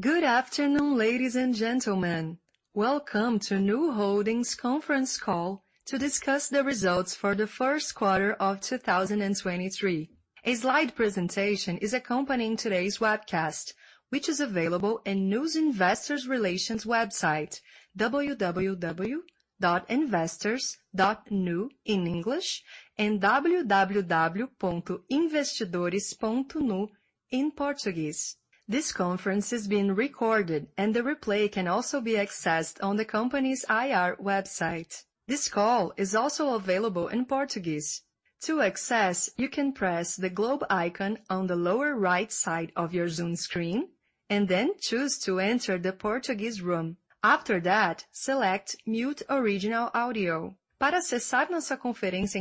Good afternoon, ladies and gentlemen. Welcome to Nu Holdings conference call to discuss the results for the first quarter of 2023. A slide presentation is accompanying today's webcast, which is available in Nu's Investor Relations website, www.investors.nu in English, and www.investidores.nu in Portuguese. This conference is being recorded, and the replay can also be accessed on the company's IR website. This call is also available in Portuguese. To access, you can press the globe icon on the lower right side of your Zoom screen, and then choose to enter the Portuguese room. After that, select Mute Original Audio. Please be advised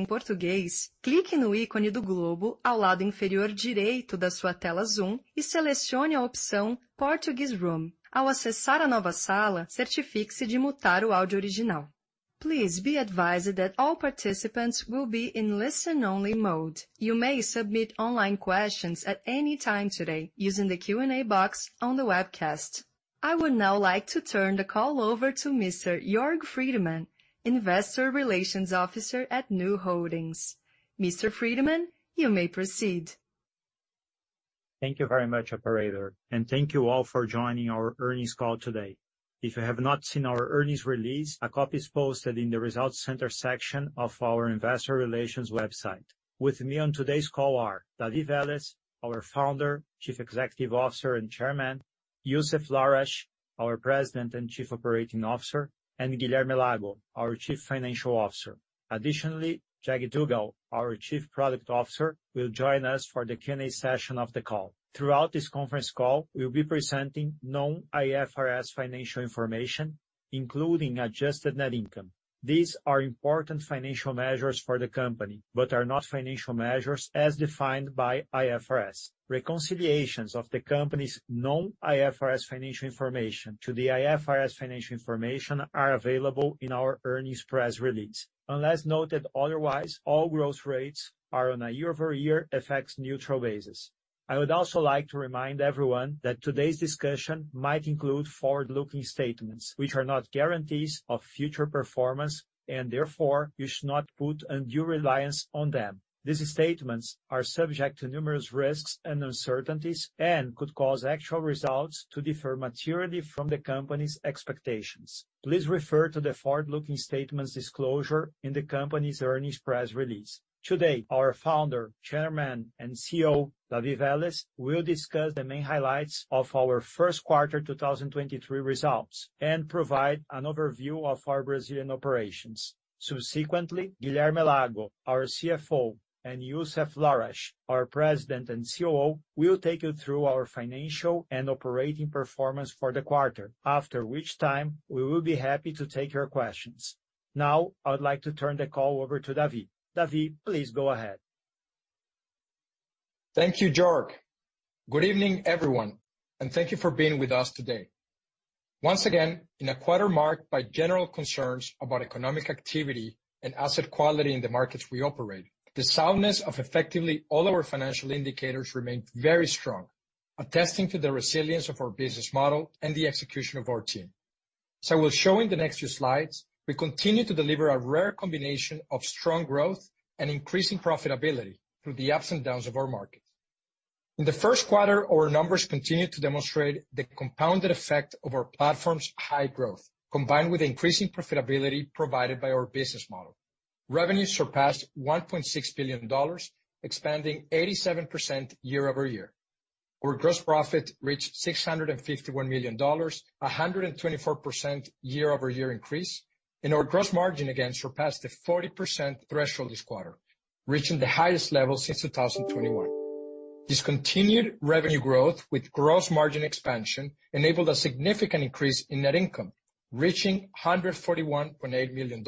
that all participants will be in listen-only mode. You may submit online questions at any time today using the Q&A box on the webcast. I would now like to turn the call over to Mr. Jörg Friedemann, Investor Relations Officer at Nu Holdings. Mr. Friedemann, you may proceed. Thank you very much, operator. Thank you all for joining our earnings call today. If you have not seen our earnings release, a copy is posted in the Results Center section of our investor relations website. With me on today's call are David Vélez, our Founder, Chief Executive Officer, and Chairman, Youssef Lahrech, our President and Chief Operating Officer, and Guilherme Lago, our Chief Financial Officer. Additionally, Jag Duggal, our Chief Product Officer, will join us for the Q&A session of the call. Throughout this conference call, we'll be presenting non-IFRS financial information, including adjusted net income. These are important financial measures for the company, are not financial measures as defined by IFRS. Reconciliations of the company's non-IFRS financial information to the IFRS financial information are available in our earnings press release. Unless noted otherwise, all growth rates are on a year-over-year effects neutral basis. I would also like to remind everyone that today's discussion might include forward-looking statements, which are not guarantees of future performance, and therefore, you should not put undue reliance on them. These statements are subject to numerous risks and uncertainties and could cause actual results to differ materially from the company's expectations. Please refer to the forward-looking statements disclosure in the company's earnings press release. Today, our Founder, Chairman, and CEO, David Vélez, will discuss the main highlights of our first quarter 2023 results and provide an overview of our Brazilian operations. Subsequently, Guilherme Lago, our CFO, and Youssef Lahrech, our President and COO, will take you through our financial and operating performance for the quarter, after which time we will be happy to take your questions. I would like to turn the call over to David. David, please go ahead. Thank you, Jörg. Good evening, everyone, and thank you for being with us today. Once again, in a quarter marked by general concerns about economic activity and asset quality in the markets we operate, the soundness of effectively all our financial indicators remained very strong, attesting to the resilience of our business model and the execution of our team. We'll show in the next few slides, we continue to deliver a rare combination of strong growth and increasing profitability through the ups and downs of our markets. In the first quarter, our numbers continued to demonstrate the compounded effect of our platform's high growth, combined with increasing profitability provided by our business model. Revenue surpassed $1.6 billion, expanding 87% year-over-year. Our gross profit reached $651 million, a 124% year-over-year increase. Our gross margin again surpassed the 40% threshold this quarter, reaching the highest level since 2021. This continued revenue growth with gross margin expansion enabled a significant increase in net income, reaching $141.8 million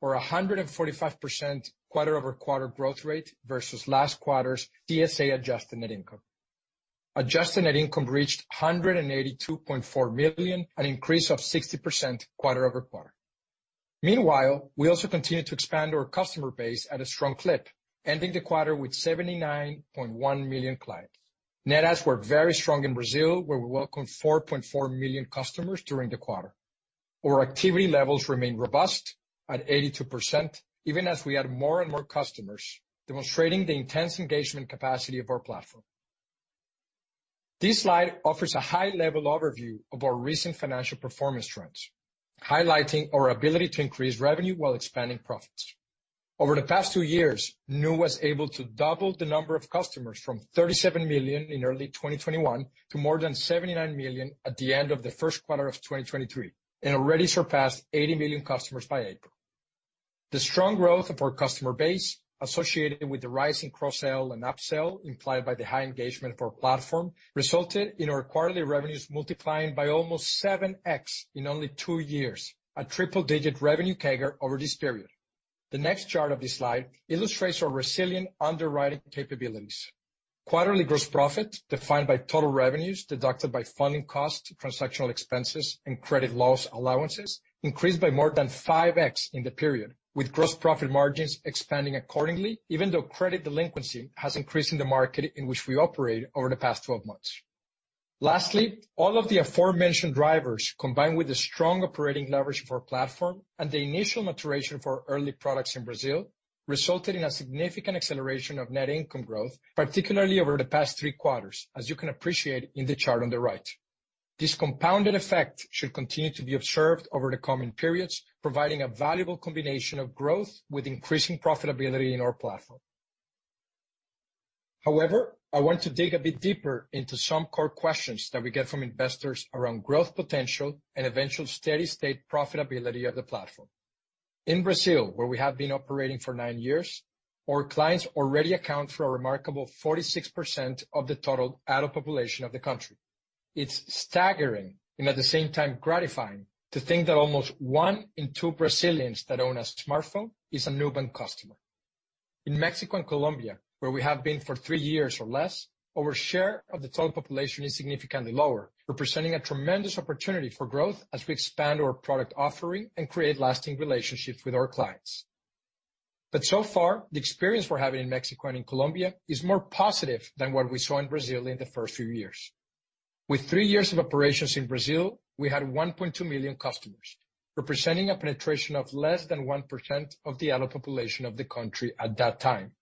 or a 145% quarter-over-quarter growth rate versus last quarter's CSA adjusted net income. Adjusted net income reached $182.4 million, an increase of 60% quarter-over-quarter. Meanwhile, we also continued to expand our customer base at a strong clip, ending the quarter with 79.1 million clients. Net adds were very strong in Brazil, where we welcomed 4.4 million customers during the quarter. Our activity levels remain robust at 82%, even as we add more and more customers, demonstrating the intense engagement capacity of our platform. This slide offers a high-level overview of our recent financial performance trends, highlighting our ability to increase revenue while expanding profits. Over the past two years, Nu was able to double the number of customers from 37 million in early 2021 to more than 79 million at the end of the first quarter of 2023, and already surpassed 80 million customers by April. The strong growth of our customer base associated with the rise in cross-sale and up-sale implied by the high engagement of our platform resulted in our quarterly revenues multiplying by almost 7x in only two years, a triple-digit revenue CAGR over this period. The next chart of this slide illustrates our resilient underwriting capabilities. Quarterly gross profit, defined by total revenues deducted by funding costs, transactional expenses, and credit loss allowances, increased by more than 5x in the period, with gross profit margins expanding accordingly, even though credit delinquency has increased in the market in which we operate over the past 12 months. All of the aforementioned drivers, combined with the strong operating leverage for our platform and the initial maturation for early products in Brazil, resulted in a significant acceleration of net income growth, particularly over the past three quarters, as you can appreciate in the chart on the right. This compounded effect should continue to be observed over the coming periods, providing a valuable combination of growth with increasing profitability in our platform. I want to dig a bit deeper into some core questions that we get from investors around growth potential and eventual steady-state profitability of the platform. In Brazil, where we have been operating for nine years, our clients already account for a remarkable 46% of the total adult population of the country. It's staggering, and at the same time gratifying, to think that almost one in two Brazilians that own a smartphone is a Nubank customer. In Mexico and Colombia, where we have been for three years or less, our share of the total population is significantly lower, representing a tremendous opportunity for growth as we expand our product offering and create lasting relationships with our clients. So far, the experience we're having in Mexico and in Colombia is more positive than what we saw in Brazil in the first few years. With three years of operations in Brazil, we had 1.2 million customers, representing a penetration of less than 1% of the adult population of the country at that time,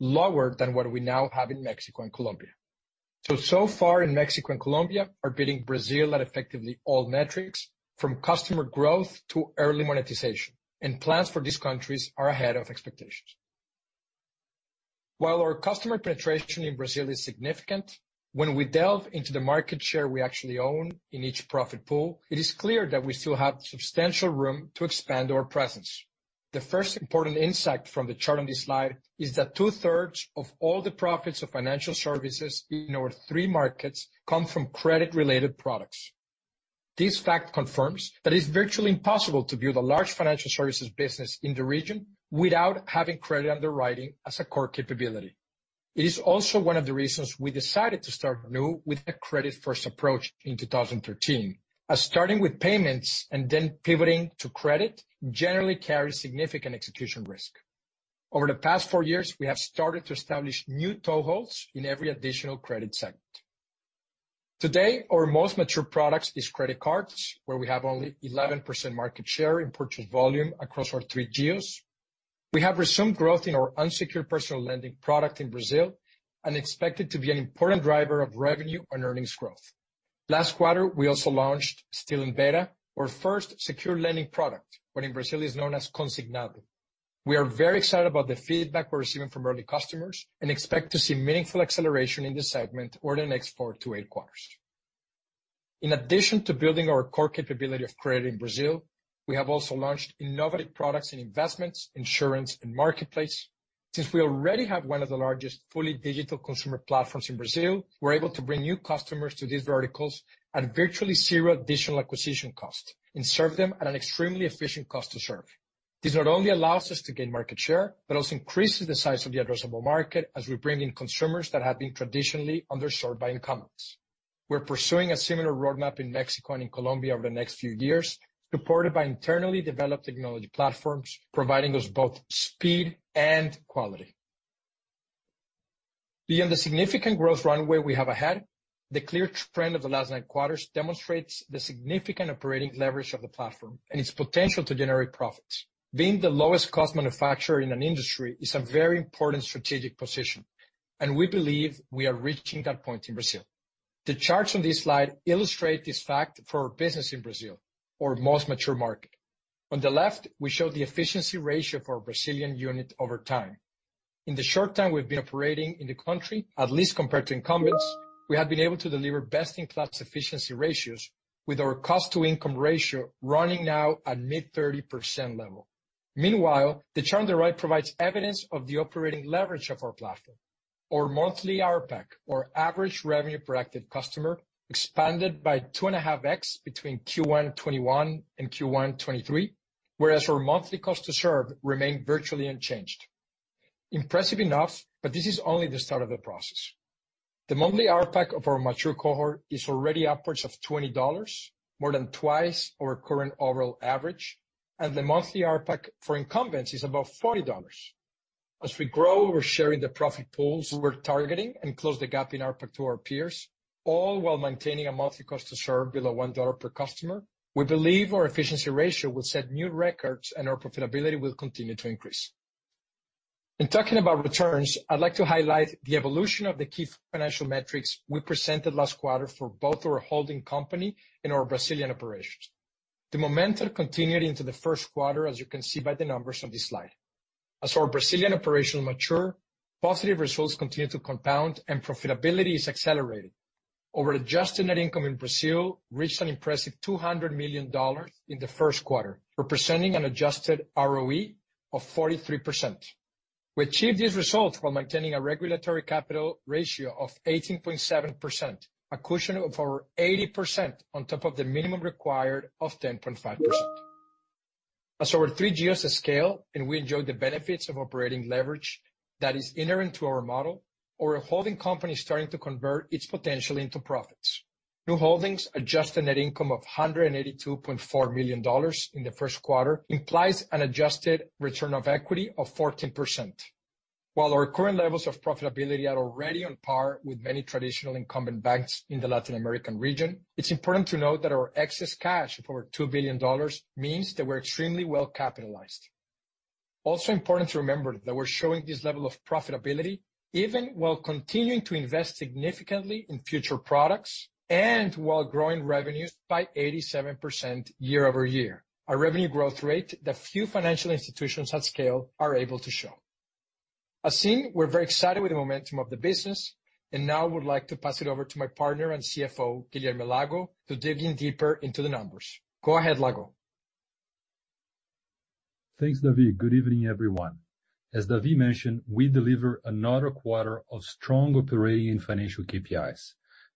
lower than what we now have in Mexico and Colombia. So far in Mexico and Colombia are beating Brazil at effectively all metrics, from customer growth to early monetization, and plans for these countries are ahead of expectations. While our customer penetration in Brazil is significant, when we delve into the market share we actually own in each profit pool, it is clear that we still have substantial room to expand our presence. The first important insight from the chart on this slide is that 2/3 of all the profits of financial services in our three markets come from credit-related products. This fact confirms that it's virtually impossible to build a large financial services business in the region without having credit underwriting as a core capability. It is also one of the reasons we decided to start anew with a credit-first approach in 2013, as starting with payments and then pivoting to credit generally carries significant execution risk. Over the past four years, we have started to establish new toeholds in every additional credit segment. Today, our most mature products is credit cards, where we have only 11% market share in purchase volume across our three geos. We have resumed growth in our unsecured personal lending product in Brazil and expect it to be an important driver of revenue and earnings growth. Last quarter, we also launched, still in beta, our first secured lending product, what in Brazil is known as Consignado. We are very excited about the feedback we're receiving from early customers and expect to see meaningful acceleration in this segment over the next 4-8 quarters. In addition to building our core capability of credit in Brazil, we have also launched innovative products in investments, insurance, and marketplace. Since we already have one of the largest fully digital consumer platforms in Brazil, we're able to bring new customers to these verticals at virtually zero additional acquisition cost and serve them at an extremely efficient cost to serve. This not only allows us to gain market share, but also increases the size of the addressable market as we bring in consumers that have been traditionally underserved by incumbents. We're pursuing a similar roadmap in Mexico and in Colombia over the next few years, supported by internally developed technology platforms, providing us both speed and quality. Beyond the significant growth runway we have ahead, the clear trend of the last nine quarters demonstrates the significant operating leverage of the platform and its potential to generate profits. Being the lowest cost manufacturer in an industry is a very important strategic position, we believe we are reaching that point in Brazil. The charts on this slide illustrate this fact for our business in Brazil, our most mature market. On the left, we show the efficiency ratio for our Brazilian unit over time. In the short time we've been operating in the country, at least compared to incumbents, we have been able to deliver best-in-class efficiency ratios with our cost-to-income ratio running now at mid-30% level. The chart on the right provides evidence of the operating leverage of our platform. Our monthly ARPAC, or average revenue per active customer, expanded by 2.5x between Q1 2021 and Q1 2023, whereas our monthly cost to serve remained virtually unchanged. Impressive enough, but this is only the start of the process. The monthly ARPAC of our mature cohort is already upwards of $20, more than twice our current overall average, and the monthly ARPAC for incumbents is above $40. As we grow, we're sharing the profit pools we're targeting and close the gap in ARPAC to our peers, all while maintaining a monthly cost to serve below $1 per customer. We believe our efficiency ratio will set new records, and our profitability will continue to increase. In talking about returns, I'd like to highlight the evolution of the key financial metrics we presented last quarter for both our holding company and our Brazilian operations. The momentum continued into the first quarter, as you can see by the numbers on this slide. As our Brazilian operations mature, positive results continue to compound, and profitability is accelerating. Our adjusted net income in Brazil reached an impressive $200 million in the first quarter, representing an adjusted ROE of 43%. We achieved these results while maintaining a regulatory capital ratio of 18.7%, a cushion of over 80% on top of the minimum required of 10.5%. As our three geos scale and we enjoy the benefits of operating leverage that is inherent to our model, our holding company is starting to convert its potential into profits. Nu Holdings' adjusted net income of $182.4 million in the first quarter implies an adjusted return of equity of 14%. Our current levels of profitability are already on par with many traditional incumbent banks in the Latin American region, it's important to note that our excess cash of over $2 billion means that we're extremely well-capitalized. Important to remember that we're showing this level of profitability even while continuing to invest significantly in future products and while growing revenues by 87% year-over-year. Our revenue growth rate that few financial institutions at scale are able to show. As seen, we're very excited with the momentum of the business, now I would like to pass it over to my partner and CFO, Guilherme Lago, to dig in deeper into the numbers. Go ahead, Lago. Thanks, David Vélez. Good evening, everyone. As David Vélez mentioned, we deliver another quarter of strong operating financial KPIs.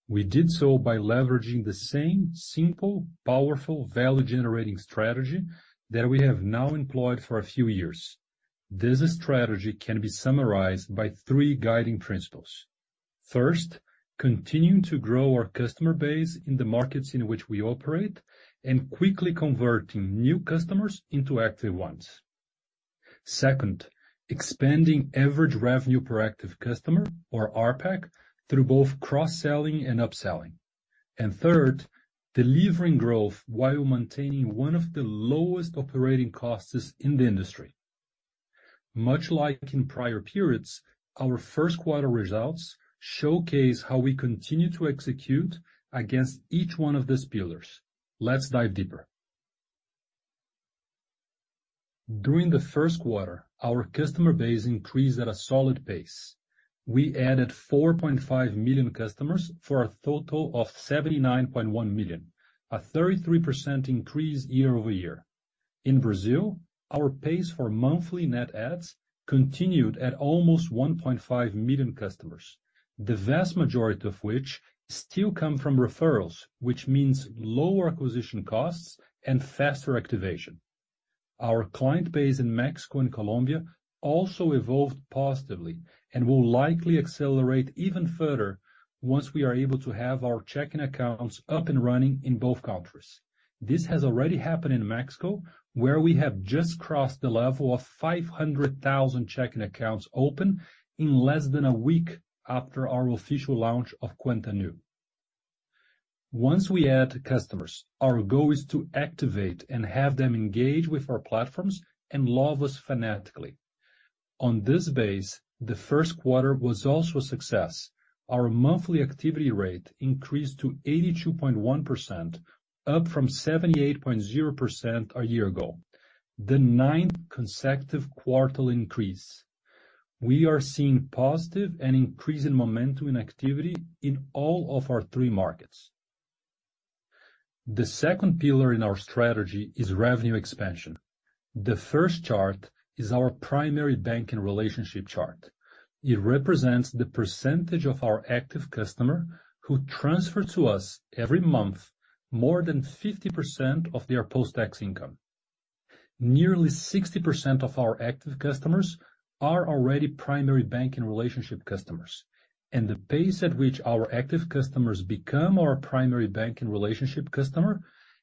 We did so by leveraging the same simple, powerful value-generating strategy that we have now employed for a few years. This strategy can be summarized by three guiding principles. First, continuing to grow our customer base in the markets in which we operate, and quickly converting new customers into active ones. Second, expanding average revenue per active customer or RPAC through both cross-selling and upselling. Third, delivering growth while maintaining one of the lowest operating costs in the industry. Much like in prior periods, our first quarter results showcase how we continue to execute against each one of these pillars. Let's dive deeper. During the first quarter, our customer base increased at a solid pace. We added 4.5 million customers for a total of 79.1 million, a 33% increase year-over-year. In Brazil, our pace for monthly net adds continued at almost 1.5 million customers, the vast majority of which still come from referrals, which means lower acquisition costs and faster activation. Our client base in Mexico and Colombia also evolved positively and will likely accelerate even further once we are able to have our checking accounts up and running in both countries. This has already happened in Mexico, where we have just crossed the level of 500,000 checking accounts open in less than a week after our official launch of Cuenta Nu. Once we add customers, our goal is to activate and have them engage with our platforms and love us fanatically. On this base, the first quarter was also a success. Our monthly activity rate increased to 82.1%, up from 78.0% a year ago, the ninth consecutive quarterly increase. We are seeing positive and increasing momentum in activity in all of our three markets. The second pillar in our strategy is revenue expansion. The first chart is our primary banking relationship chart. It represents the percentage of our active customer who transfer to us every month more than 50% of their post-tax income. Nearly 60% of our active customers are already primary banking relationship customers. The pace at which our active customers become our primary banking relationship customer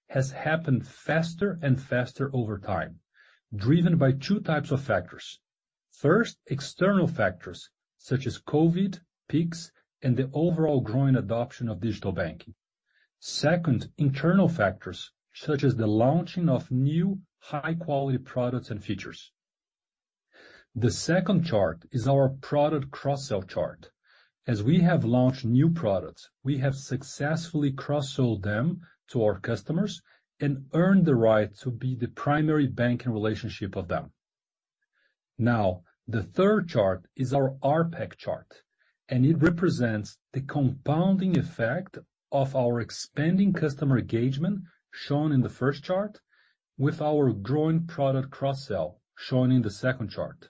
has happened faster and faster over time, driven by two types of factors. First, external factors such as COVID, Pix, and the overall growing adoption of digital banking. Second, internal factors such as the launching of new high-quality products and features. The second chart is our product cross-sell chart. As we have launched new products, we have successfully cross-sold them to our customers and earned the right to be the primary banking relationship of them. Now, the third chart is our RPAC chart, and it represents the compounding effect of our expanding customer engagement, shown in the first chart, with our growing product cross-sell, shown in the second chart.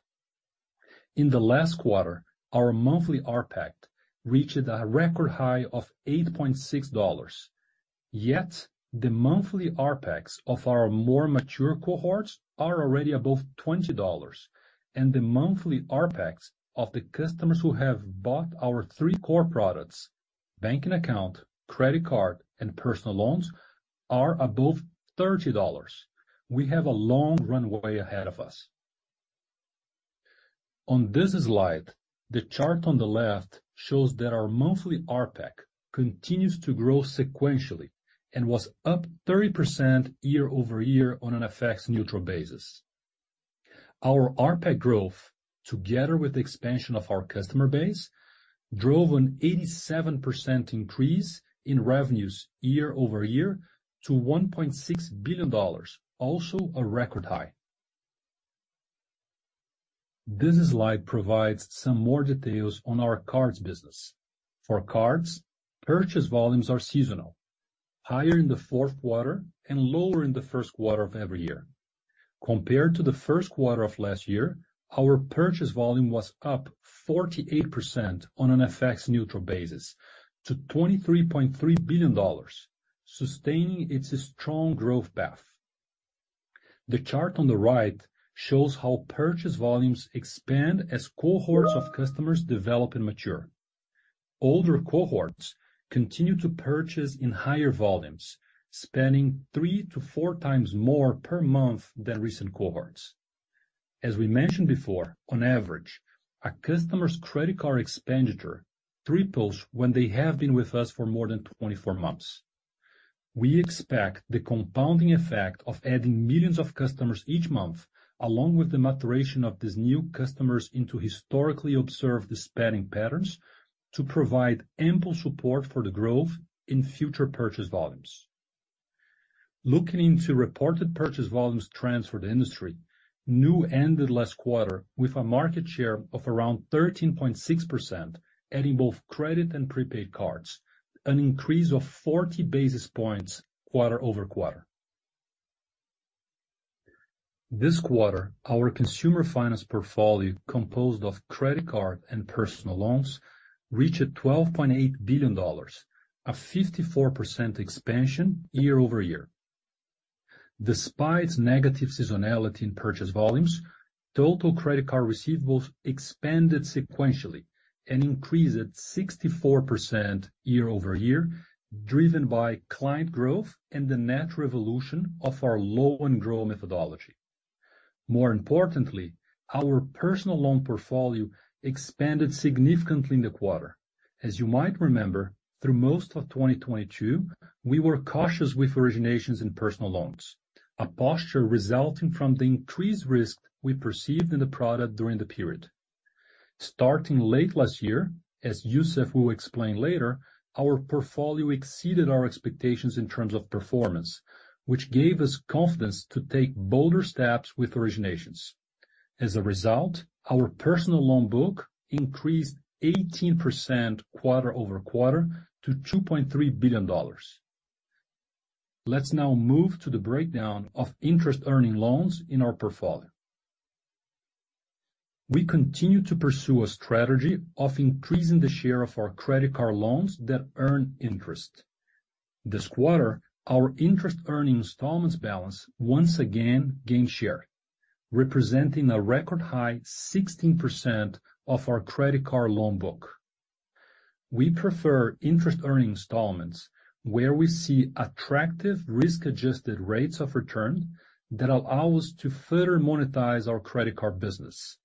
In the last quarter, our monthly RPAC reached a record high of BRL 8.6. Yet the monthly RPACs of our more mature cohorts are already above BRL 20, and the monthly RPACs of the customers who have bought our three core products, banking account, credit card, and personal loans, are above BRL 30. We have a long runway ahead of us. On this slide, the chart on the left shows that our monthly RPAC continues to grow sequentially and was up 30% year-over-year on an FX neutral basis. Our RPAC growth, together with the expansion of our customer base, drove an 87% increase in revenues year-over-year to $1.6 billion, also a record high. This slide provides some more details on our cards business. Cards, purchase volumes are seasonal, higher in the fourth quarter and lower in the first quarter of every year. Compared to the first quarter of last year, our purchase volume was up 48% on an FX neutral basis to $23.3 billion, sustaining its strong growth path. The chart on the right shows how purchase volumes expand as cohorts of customers develop and mature. Older cohorts continue to purchase in higher volumes, spending 3x-4x more per month than recent cohorts. As we mentioned before, on average, a customer's credit card expenditure triples when they have been with us for more than 24 months. We expect the compounding effect of adding millions of customers each month, along with the maturation of these new customers into historically observed spending patterns, to provide ample support for the growth in future purchase volumes. Looking into reported purchase volumes trends for the industry, Nu ended last quarter with a market share of around 13.6%, adding both credit and prepaid cards, an increase of 40 basis points quarter-over-quarter. This quarter, our consumer finance portfolio, composed of credit card and personal loans, reached $12.8 billion, a 54% expansion year-over-year. Despite negative seasonality in purchase volumes, total credit card receivables expanded sequentially and increased at 64% year-over-year, driven by client growth and the net revolution of our low and grow methodology. More importantly, our personal loan portfolio expanded significantly in the quarter. As you might remember, through most of 2022, we were cautious with originations in personal loans, a posture resulting from the increased risk we perceived in the product during the period. Starting late last year, as Youssef will explain later, our portfolio exceeded our expectations in terms of performance, which gave us confidence to take bolder steps with originations. As a result, our personal loan book increased 18% quarter-over-quarter to $2.3 billion. Let's now move to the breakdown of interest earning loans in our portfolio. We continue to pursue a strategy of increasing the share of our credit card loans that earn interest. This quarter, our interest earning installments balance once again gained share, representing a record high 16% of our credit card loan book. We prefer interest earning installments where we see attractive risk-adjusted rates of return that allow us to further monetize our credit card business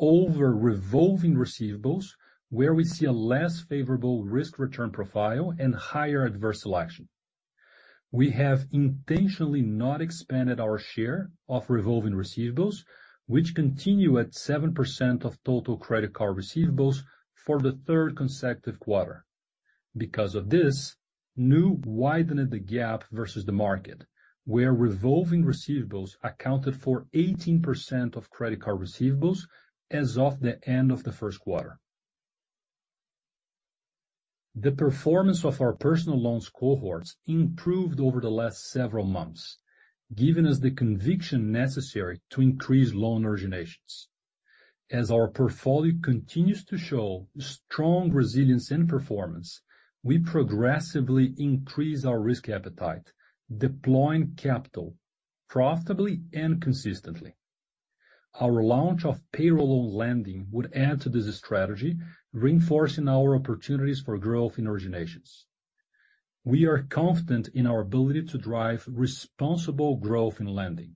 over revolving receivables where we see a less favorable risk-return profile and higher adverse selection. We have intentionally not expanded our share of revolving receivables, which continue at 7% of total credit card receivables for the third consecutive quarter. Because of this, Nu widened the gap versus the market, where revolving receivables accounted for 18% of credit card receivables as of the end of the first quarter. The performance of our personal loans cohorts improved over the last several months, giving us the conviction necessary to increase loan originations. As our portfolio continues to show strong resilience and performance, we progressively increase our risk appetite, deploying capital profitably and consistently. Our launch of payroll lending would add to this strategy, reinforcing our opportunities for growth in originations. We are confident in our ability to drive responsible growth in lending.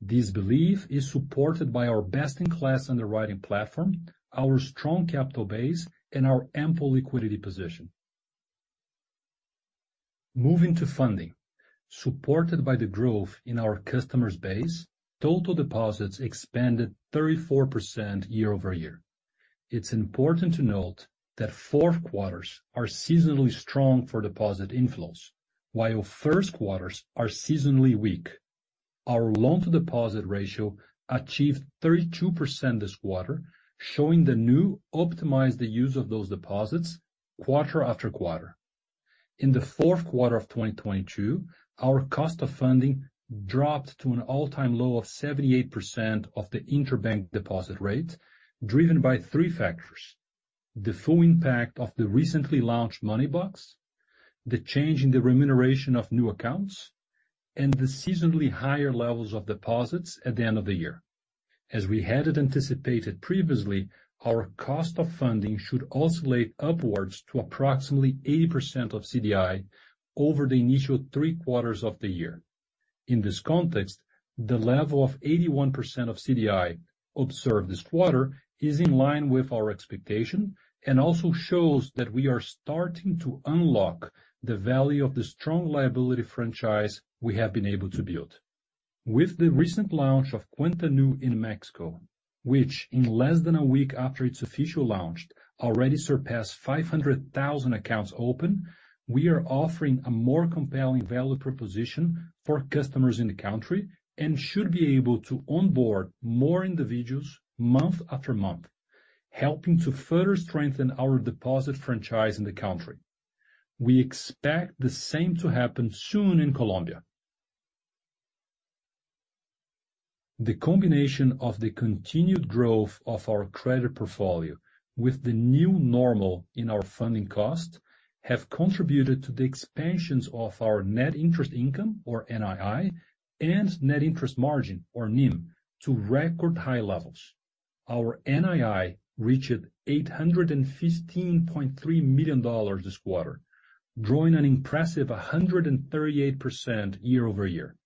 This belief is supported by our best-in-class underwriting platform, our strong capital base, and our ample liquidity position. Moving to funding. Supported by the growth in our customers base, total deposits expanded 34% year-over-year. It's important to note that fourth quarters are seasonally strong for deposit inflows, while first quarters are seasonally weak. Our loan-to-deposit ratio achieved 32% this quarter, showing the Nu optimized the use of those deposits quarter-after-quarter. In the fourth quarter of 2022, our cost of funding dropped to an all-time low of 78% of the interbank deposit rate, driven by three factors: the full impact of the recently launched Money Box, the change in the remuneration of new accounts, and the seasonally higher levels of deposits at the end of the year. As we had anticipated previously, our cost of funding should oscillate upwards to approximately 80% of CDI over the initial three quarters of the year. In this context, the level of 81% of CDI observed this quarter is in line with our expectation and also shows that we are starting to unlock the value of the strong liability franchise we have been able to build. With the recent launch of Cuenta Nu in Mexico, which in less than a week after its official launch already surpassed 500,000 accounts open, we are offering a more compelling value proposition for customers in the country and should be able to onboard more individuals month after month, helping to further strengthen our deposit franchise in the country. We expect the same to happen soon in Colombia. The combination of the continued growth of our credit portfolio with the new normal in our funding cost have contributed to the expansions of our net interest income, or NII, and net interest margin, or NIM, to record high levels. Our NII reached $815.3 million this quarter, growing an impressive 138% year-over-year.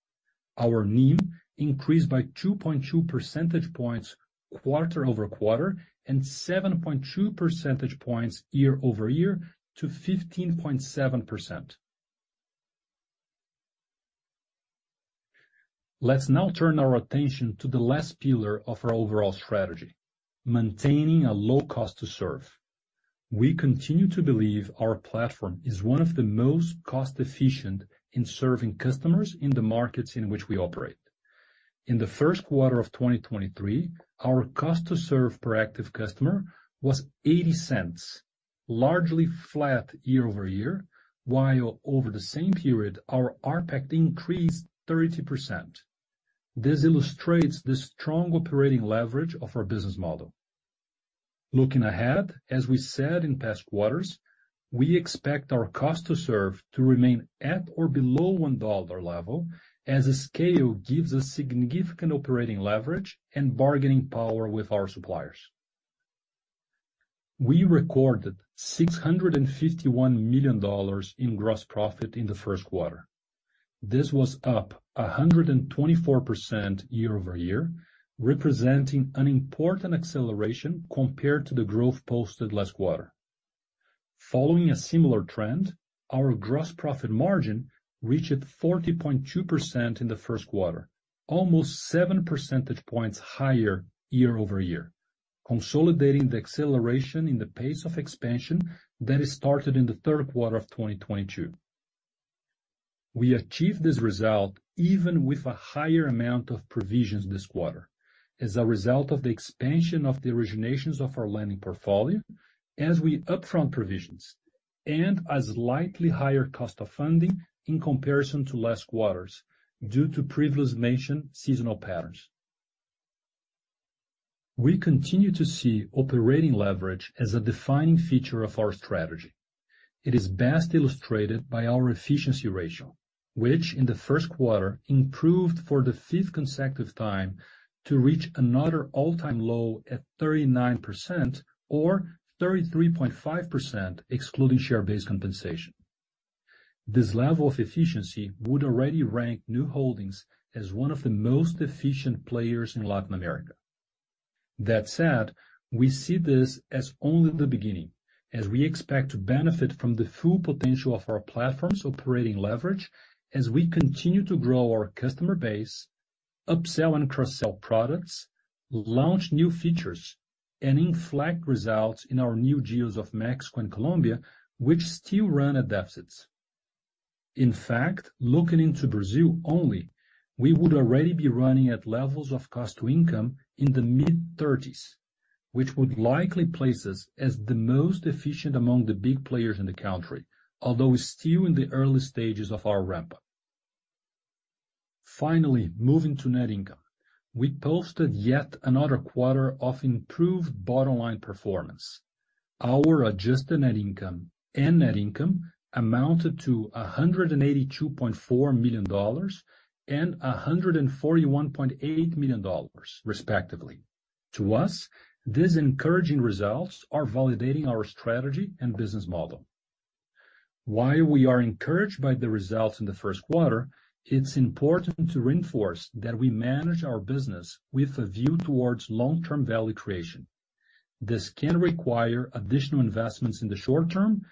Our NIM increased by 2.2 percentage points quarter-over-quarter and 7.2 percentage points year-over-year to 15.7%. Let's now turn our attention to the last pillar of our overall strategy, maintaining a low cost to serve. We continue to believe our platform is one of the most cost efficient in serving customers in the markets in which we operate. In the first quarter of 2023, our cost to serve per active customer was $0.80, largely flat year-over-year, while over the same period, our ARPAC increased 30%. This illustrates the strong operating leverage of our business model. Looking ahead, as we said in past quarters, we expect our cost to serve to remain at or below $1 level as the scale gives us significant operating leverage and bargaining power with our suppliers. We recorded $651 million in gross profit in the first quarter. This was up 124% year-over-year, representing an important acceleration compared to the growth posted last quarter. Following a similar trend, our gross profit margin reached 40.2% in the first quarter, almost seven percentage points higher year-over-year, consolidating the acceleration in the pace of expansion that started in the third quarter of 2022. We achieved this result even with a higher amount of provisions this quarter as a result of the expansion of the originations of our lending portfolio as we upfront provisions and a slightly higher cost of funding in comparison to last quarters due to previously mentioned seasonal patterns. We continue to see operating leverage as a defining feature of our strategy. It is best illustrated by our efficiency ratio, which in the first quarter improved for the fifth consecutive time to reach another all-time low at 39% or 33.5% excluding share-based compensation. This level of efficiency would already rank Nu Holdings as one of the most efficient players in Latin America. That said, we see this as only the beginning as we expect to benefit from the full potential of our platform's operating leverage as we continue to grow our customer base, upsell and cross-sell products, launch new features, and reflect results in our new geos of Mexico and Colombia, which still run at deficits. In fact, looking into Brazil only, we would already be running at levels of cost to income in the mid-thirties, which would likely place us as the most efficient among the big players in the country, although we're still in the early stages of our ramp-up. Finally, moving to net income, we posted yet another quarter of improved bottom-line performance. Our adjusted net income and net income amounted to $182.4 million and $141.8 million respectively. To us, these encouraging results are validating our strategy and business model. While we are encouraged by the results in the first quarter, it's important to reinforce that we manage our business with a view towards long-term value creation. This can require additional investments in the short term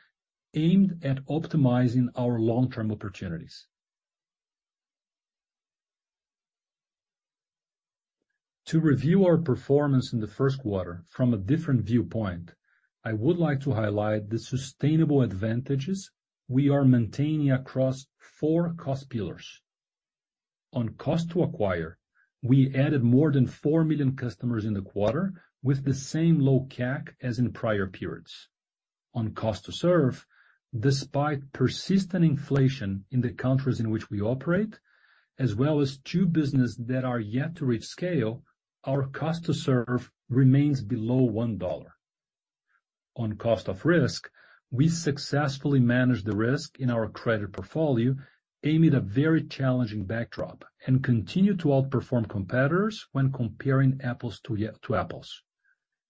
aimed at optimizing our long-term opportunities. To review our performance in the first quarter from a different viewpoint, I would like to highlight the sustainable advantages we are maintaining across four cost pillars. On cost to acquire, we added more than 4 million customers in the quarter with the same low CAC as in prior periods. On cost to serve, despite persistent inflation in the countries in which we operate, as well as two business that are yet to reach scale, our cost to serve remains below $1. On cost of risk, we successfully manage the risk in our credit portfolio amid a very challenging backdrop, and continue to outperform competitors when comparing apples to apples.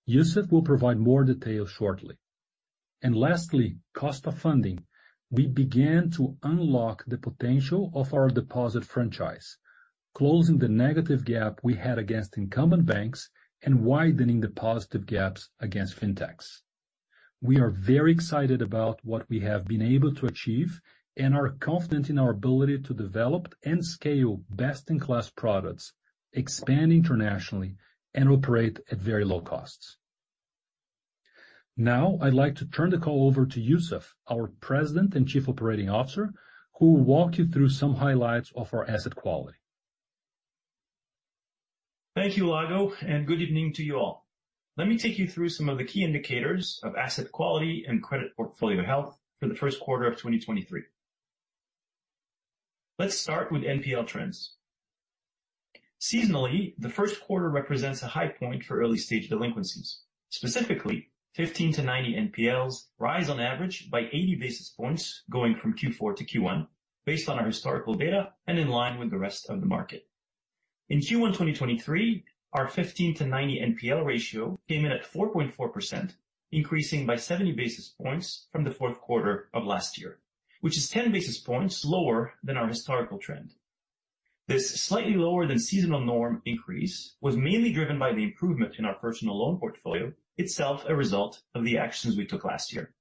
Youssef will provide more detail shortly. Lastly, cost of funding. We began to unlock the potential of our deposit franchise, closing the negative gap we had against incumbent banks and widening the positive gaps against fintechs. We are very excited about what we have been able to achieve and are confident in our ability to develop and scale best-in-class products, expand internationally, and operate at very low costs. Now, I'd like to turn the call over to Youssef, our President and Chief Operating Officer, who will walk you through some highlights of our asset quality. Thank you, Lago, and good evening to you all. Let me take you through some of the key indicators of asset quality and credit portfolio health for the first quarter of 2023. Let's start with NPL trends. Seasonally, the first quarter represents a high point for early-stage delinquencies. Specifically, 15-90 NPLs rise on average by 80 basis points going from Q4 to Q1. Based on our historical data and in line with the rest of the market. In Q1 2023, our 15-90 NPL ratio came in at 4.4%, increasing by 70 basis points from the fourth quarter of last year, which is 10 basis points lower than our historical trend. This slightly lower than seasonal norm increase was mainly driven by the improvement in our personal loan portfolio, itself a result of the actions we took last year.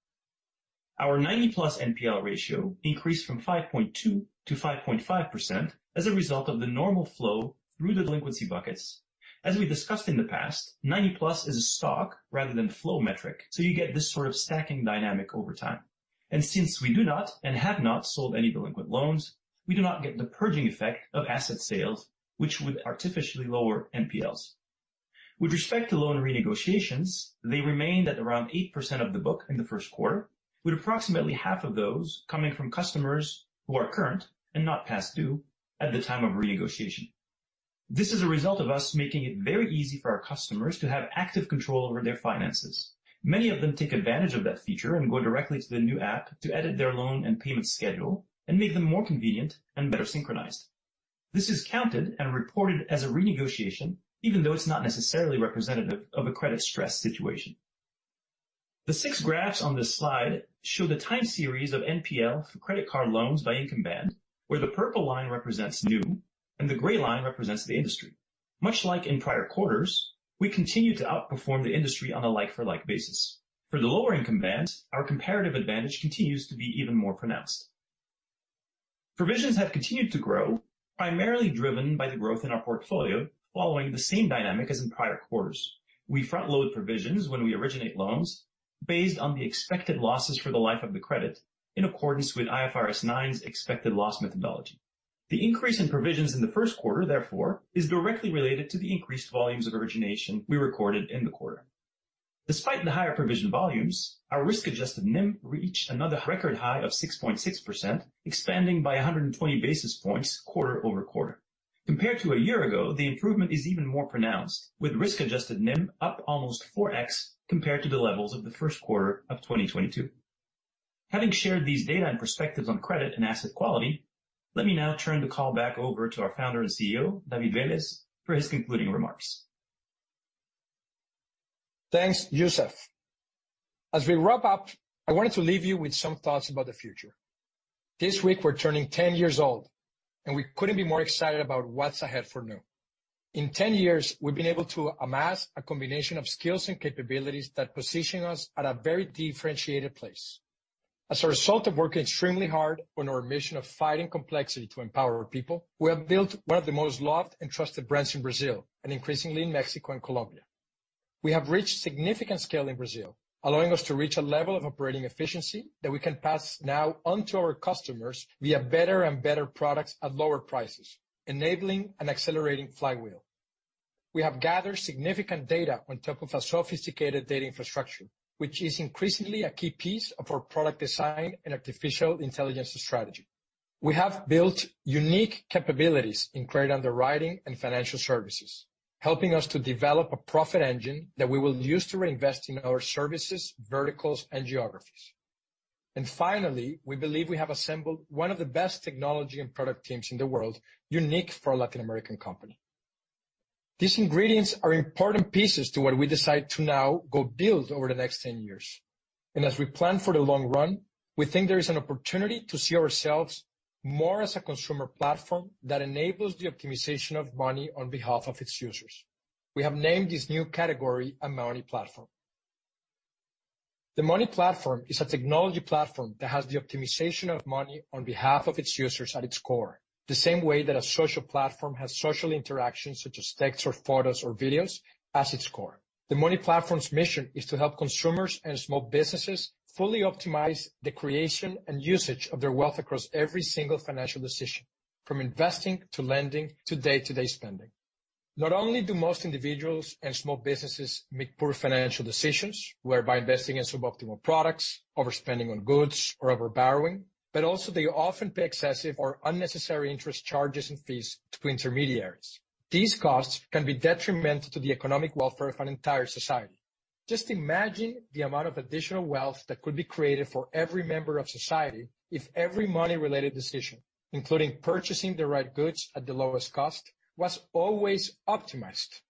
Our 90-plus NPL ratio increased from 5.2%-5.5% as a result of the normal flow through the delinquency buckets. As we discussed in the past, 90+ is a stock rather than flow metric, so you get this sort of stacking dynamic over time. Since we do not and have not sold any delinquent loans, we do not get the purging effect of asset sales, which would artificially lower NPLs. With respect to loan renegotiations, they remained at around 8% of the book in the first quarter, with approximately half of those coming from customers who are current and not past due at the time of renegotiation. This is a result of us making it very easy for our customers to have active control over their finances. Many of them take advantage of that feature and go directly to the Nu app to edit their loan and payment schedule and make them more convenient and better synchronized. This is counted and reported as a renegotiation, even though it's not necessarily representative of a credit stress situation. The six graphs on this slide show the time series of NPL for credit card loans by income band, where the purple line represents Nu and the gray line represents the industry. Much like in prior quarters, we continue to outperform the industry on a like-for-like basis. For the lower income bands, our comparative advantage continues to be even more pronounced. Provisions have continued to grow, primarily driven by the growth in our portfolio following the same dynamic as in prior quarters. We front-load provisions when we originate loans based on the expected losses for the life of the credit, in accordance with IFRS 9's expected loss methodology. The increase in provisions in the first quarter, therefore, is directly related to the increased volumes of origination we recorded in the quarter. Despite the higher provision volumes, our risk-adjusted NIM reached another record high of 6.6%, expanding by 120 basis points quarter-over-quarter. Compared to a year ago, the improvement is even more pronounced, with risk-adjusted NIM up almost 4x compared to the levels of the first quarter of 2022. Having shared these data and perspectives on credit and asset quality, let me now turn the call back over to our founder and CEO, David Vélez, for his concluding remarks. Thanks, Youssef. As we wrap up, I wanted to leave you with some thoughts about the future. This week we're turning 10 years old, and we couldn't be more excited about what's ahead for Nu. In 10 years, we've been able to amass a combination of skills and capabilities that position us at a very differentiated place. As a result of working extremely hard on our mission of fighting complexity to empower our people, we have built one of the most loved and trusted brands in Brazil and increasingly in Mexico and Colombia. We have reached significant scale in Brazil, allowing us to reach a level of operating efficiency that we can pass now on to our customers via better and better products at lower prices, enabling an accelerating flywheel. We have gathered significant data on top of a sophisticated data infrastructure, which is increasingly a key piece of our product design and artificial intelligence strategy. We have built unique capabilities in credit underwriting and financial services, helping us to develop a profit engine that we will use to reinvest in our services, verticals, and geographies. Finally, we believe we have assembled one of the best technology and product teams in the world, unique for a Latin American company. These ingredients are important pieces to what we decide to now go build over the next 10 years. As we plan for the long run, we think there is an opportunity to see ourselves more as a consumer platform that enables the optimization of money on behalf of its users. We have named this new category a Money Platform. The Money Platform is a technology platform that has the optimization of money on behalf of its users at its core, the same way that a social platform has social interactions such as texts or photos or videos as its core. The Money Platform's mission is to help consumers and small businesses fully optimize the creation and usage of their wealth across every single financial decision, from investing to lending to day-to-day spending. Not only do most individuals and small businesses make poor financial decisions, whereby investing in suboptimal products, overspending on goods or over borrowing, but also they often pay excessive or unnecessary interest charges and fees to intermediaries. These costs can be detrimental to the economic welfare of an entire society. Just imagine the amount of additional wealth that could be created for every member of society if every money-related decision, including purchasing the right goods at the lowest cost, was always optimized.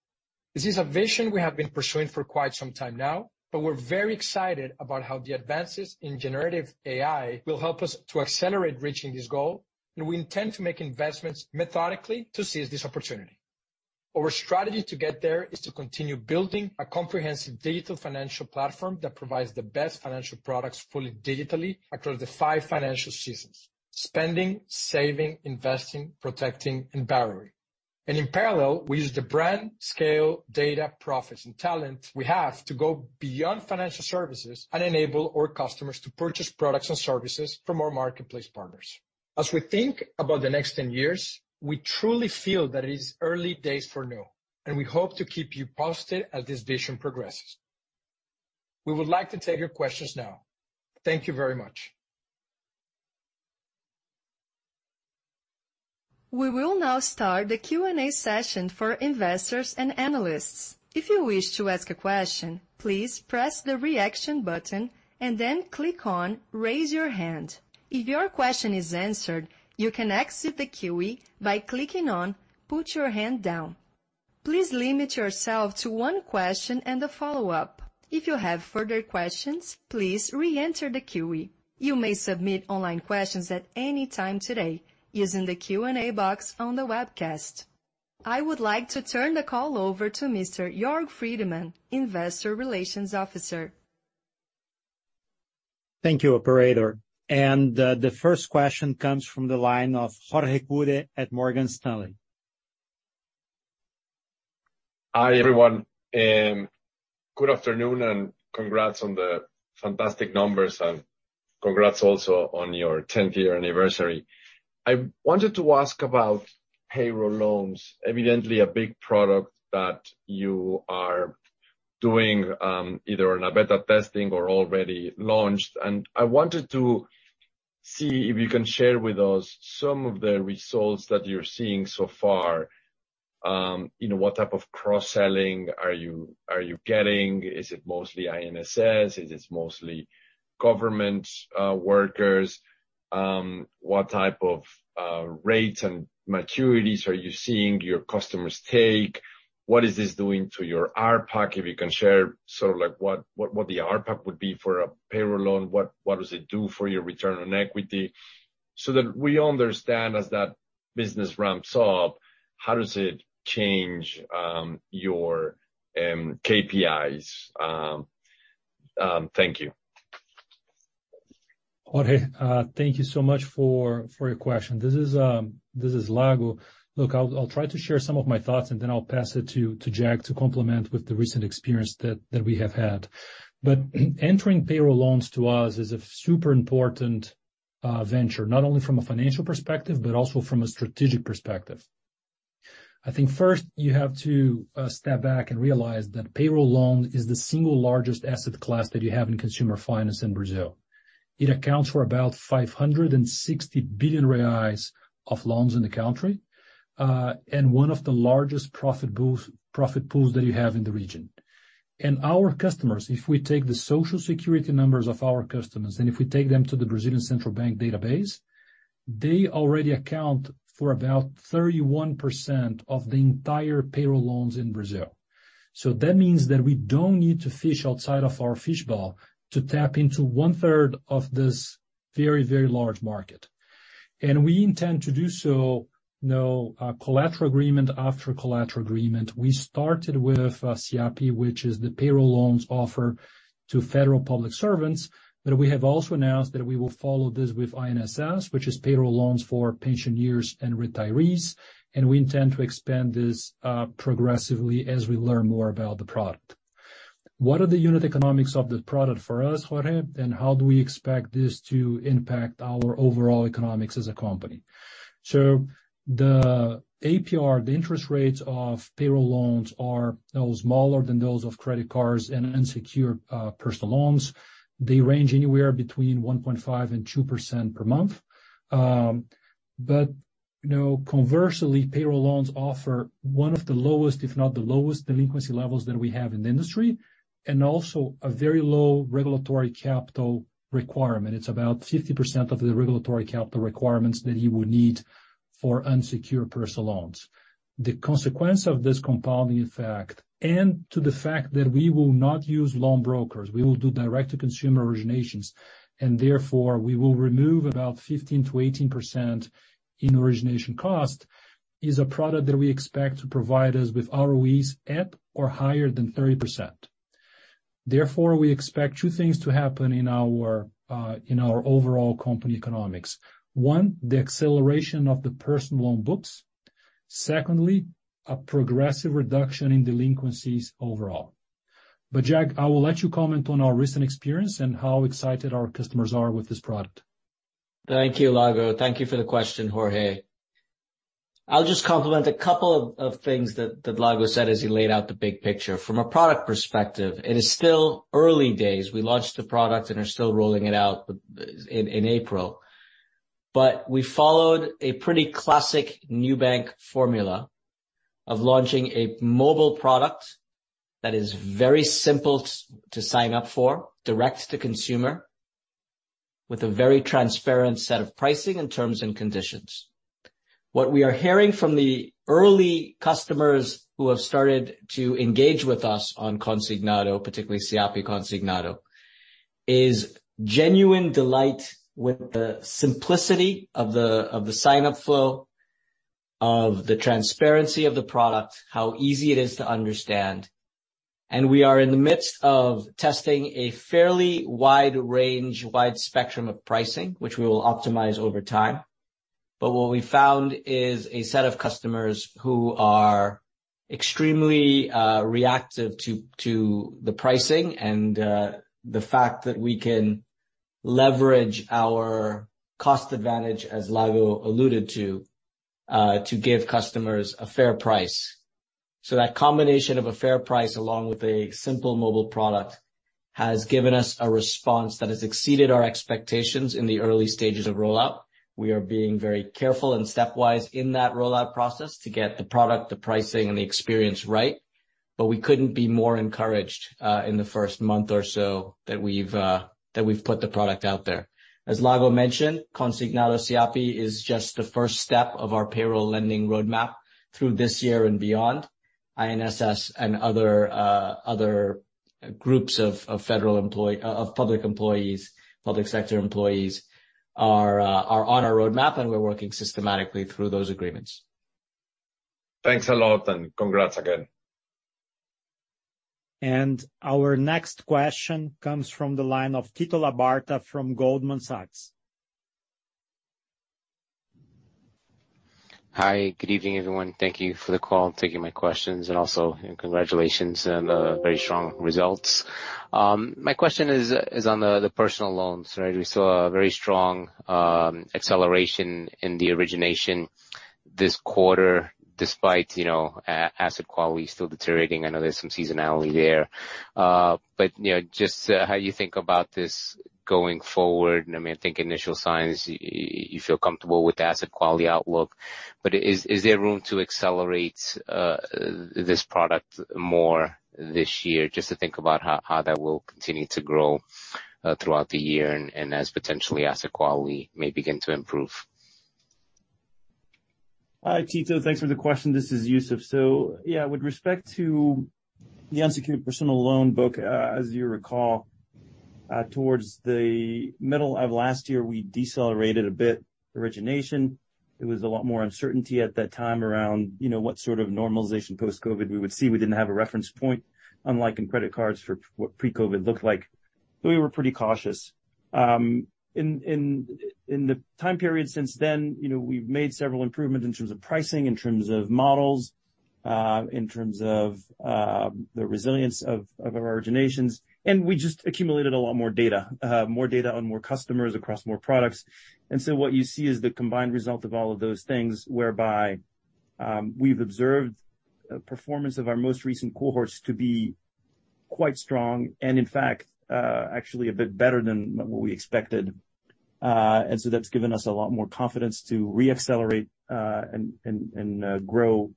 This is a vision we have been pursuing for quite some time now, but we're very excited about how the advances in generative AI will help us to accelerate reaching this goal, and we intend to make investments methodically to seize this opportunity. Our strategy to get there is to continue building a comprehensive digital financial platform that provides the best financial products fully digitally across the five financial seasons: spending, saving, investing, protecting, and borrowing. In parallel, we use the brand, scale, data, profits, and talent we have to go beyond financial services and enable our customers to purchase products and services from our marketplace partners. As we think about the next 10 years, we truly feel that it is early days for Nu, and we hope to keep you posted as this vision progresses. We would like to take your questions now. Thank you very much. We will now start the Q&A session for investors and analysts. If you wish to ask a question, please press the reaction button and then click on Raise your hand. If your question is answered, you can exit the queue by clicking on Put your hand down. Please limit yourself to one question and a follow-up. If you have further questions, please re-enter the queue. You may submit online questions at any time today using the Q&A box on the webcast. I would like to turn the call over to Mr. Jörg Friedemann, Investor Relations Officer. Thank you, operator. The first question comes from the line of Jorge Kuri at Morgan Stanley. Hi, everyone. good afternoon and congrats on the fantastic numbers, and congrats also on your tenth year anniversary. I wanted to ask about payroll loans. Evidently, a big product that you are doing, either on a beta testing or already launched, and I wanted to see if you can share with us some of the results that you're seeing so far. you know, what type of cross-selling are you, are you getting? Is it mostly INSS? Is it mostly government workers? what type of rates and maturities are you seeing your customers take? What is this doing to your RPAC? If you can share sort of like, what, what the RPAC would be for a payroll loan? What, what does it do for your return on equity? That we understand as that business ramps up, how does it change, your KPIs? Thank you. Jorge, thank you so much for your question. This is Lago. I'll try to share some of my thoughts and then I'll pass it to Jag to complement with the recent experience that we have had. Entering payroll loans to us is a super important venture, not only from a financial perspective, but also from a strategic perspective. I think first you have to step back and realize that payroll loan is the single largest asset class that you have in consumer finance in Brazil. It accounts for about 560 billion reais of loans in the country and one of the largest profit pools that you have in the region. Our customers, if we take the Social Security numbers of our customers, and if we take them to the Central Bank of Brazil database, they already account for about 31% of the entire payroll loans in Brazil. That means that we don't need to fish outside of our fishbowl to tap into one-third of this very, very large market. We intend to do so, you know, collateral agreement after collateral agreement. We started with SIAPE, which is the payroll loans offer to federal public servants, but we have also announced that we will follow this with INSS, which is payroll loans for pensioners and retirees, and we intend to expand this progressively as we learn more about the product. What are the unit economics of the product for us, Jorge, and how do we expect this to impact our overall economics as a company? The APR, the interest rates of payroll loans are, you know, smaller than those of credit cards and unsecured personal loans. They range anywhere between 1.5% and 2% per month. You know, conversely, payroll loans offer one of the lowest, if not the lowest delinquency levels that we have in the industry, and also a very low regulatory capital requirement. It's about 50% of the regulatory capital requirements that you would need for unsecured personal loans. The consequence of this compounding effect and to the fact that we will not use loan brokers, we will do direct-to-consumer originations, and therefore we will remove about 15%-18% in origination cost, is a product that we expect to provide us with ROEs at or higher than 30%. Therefore, we expect two things to happen in our overall company economics. One, the acceleration of the personal loan books. Secondly, a progressive reduction in delinquencies overall. Jag, I will let you comment on our recent experience and how excited our customers are with this product. Thank you, Lago. Thank you for the question, Jorge. I'll just complement a couple of things that Lago said as he laid out the big picture. From a product perspective, it is still early days. We launched the product and are still rolling it out in April. We followed a pretty classic Neobank formula of launching a mobile product that is very simple to sign up for, direct to consumer, with a very transparent set of pricing and terms and conditions. What we are hearing from the early customers who have started to engage with us on Consignado, particularly SIAPE Consignado, is genuine delight with the simplicity of the sign-up flow, of the transparency of the product, how easy it is to understand. We are in the midst of testing a fairly wide range, wide spectrum of pricing, which we will optimize over time. What we found is a set of customers who are extremely reactive to the pricing and the fact that we can leverage our cost advantage, as Lago alluded to give customers a fair price. That combination of a fair price along with a simple mobile product has given us a response that has exceeded our expectations in the early stages of rollout. We are being very careful and stepwise in that rollout process to get the product, the pricing, and the experience right. We couldn't be more encouraged in the first month or so that we've put the product out there. As Lago mentioned, Consignado SIAPE is just the first step of our payroll lending roadmap through this year and beyond. INSS and other other groups of public employees, public sector employees are on our roadmap, and we're working systematically through those agreements. Thanks a lot, and congrats again. Our next question comes from the line of Tito Labarta from Goldman Sachs. Hi. Good evening, everyone. Thank you for the call and taking my questions. Also congratulations on the very strong results. My question is on the personal loans, right? We saw a very strong acceleration in the origination this quarter, despite, you know, asset quality still deteriorating. I know there's some seasonality there. You know, just how you think about this going forward, and, I mean, I think initial signs, you feel comfortable with the asset quality outlook. Is there room to accelerate this product more this year just to think about how that will continue to grow throughout the year and as potentially asset quality may begin to improve? Hi, Tito. Thanks for the question. This is Youssef. Yeah, with respect to the unsecured personal loan book, as you recall, towards the middle of last year, we decelerated a bit origination. There was a lot more uncertainty at that time around, you know, what sort of normalization post-COVID we would see. We didn't have a reference point, unlike in credit cards for what pre-COVID looked like. We were pretty cautious. In the time period since then, you know, we've made several improvements in terms of pricing, in terms of models, in terms of the resilience of our originations, and we just accumulated a lot more data, more data on more customers across more products. What you see is the combined result of all of those things whereby, we've observed performance of our most recent cohorts to be quite strong and in fact, a bit better than what we expected. That's given us a lot more confidence to re-accelerate and grow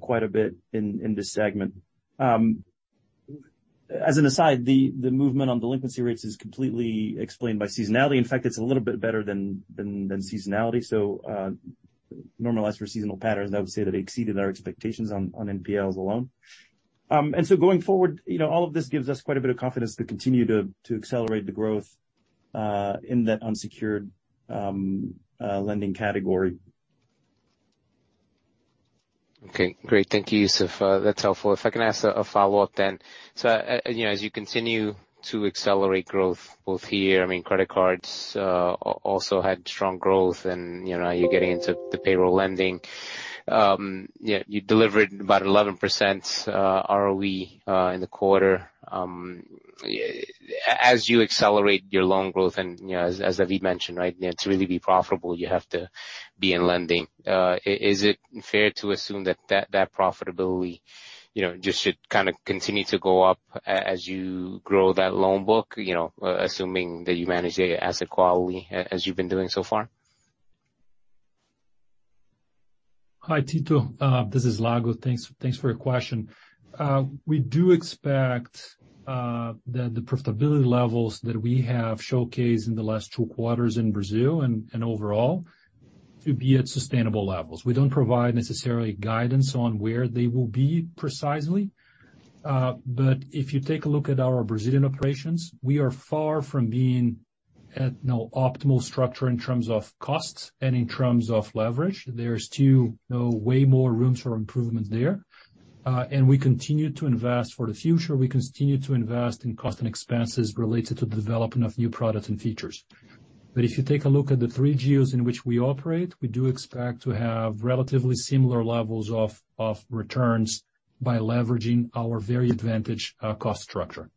quite a bit in this segment. As an aside, the movement on delinquency rates is completely explained by seasonality. In fact, it's a little bit better than seasonality. Normalized for seasonal patterns, I would say that exceeded our expectations on NPLs alone. Going forward, you know, all of this gives us quite a bit of confidence to continue to accelerate the growth in that unsecured lending category. Okay. Great. Thank you, Youssef. That's helpful. If I can ask a follow-up then. You know, as you continue to accelerate growth both here, I mean, credit cards, also had strong growth and, you know, you're getting into the payroll lending, you delivered about 11% ROE in the quarter. As you accelerate your loan growth and, you know, as David mentioned, right, you know, to really be profitable, you have to be in lending, is it fair to assume that profitability, you know, just should kinda continue to go up as you grow that loan book, you know, assuming that you manage the asset quality as you've been doing so far? Hi, Tito. This is Lago. Thanks, thanks for your question. We do expect the profitability levels that we have showcased in the last two quarters in Brazil and overall to be at sustainable levels. We don't provide necessarily guidance on where they will be precisely. If you take a look at our Brazilian operations, we are far from being at, you know, optimal structure in terms of costs and in terms of leverage. There's still, you know, way more rooms for improvement there. We continue to invest for the future. We continue to invest in cost and expenses related to the development of new products and features. If you take a look at the three geos in which we operate, we do expect to have relatively similar levels of returns by leveraging our very advantaged cost structure.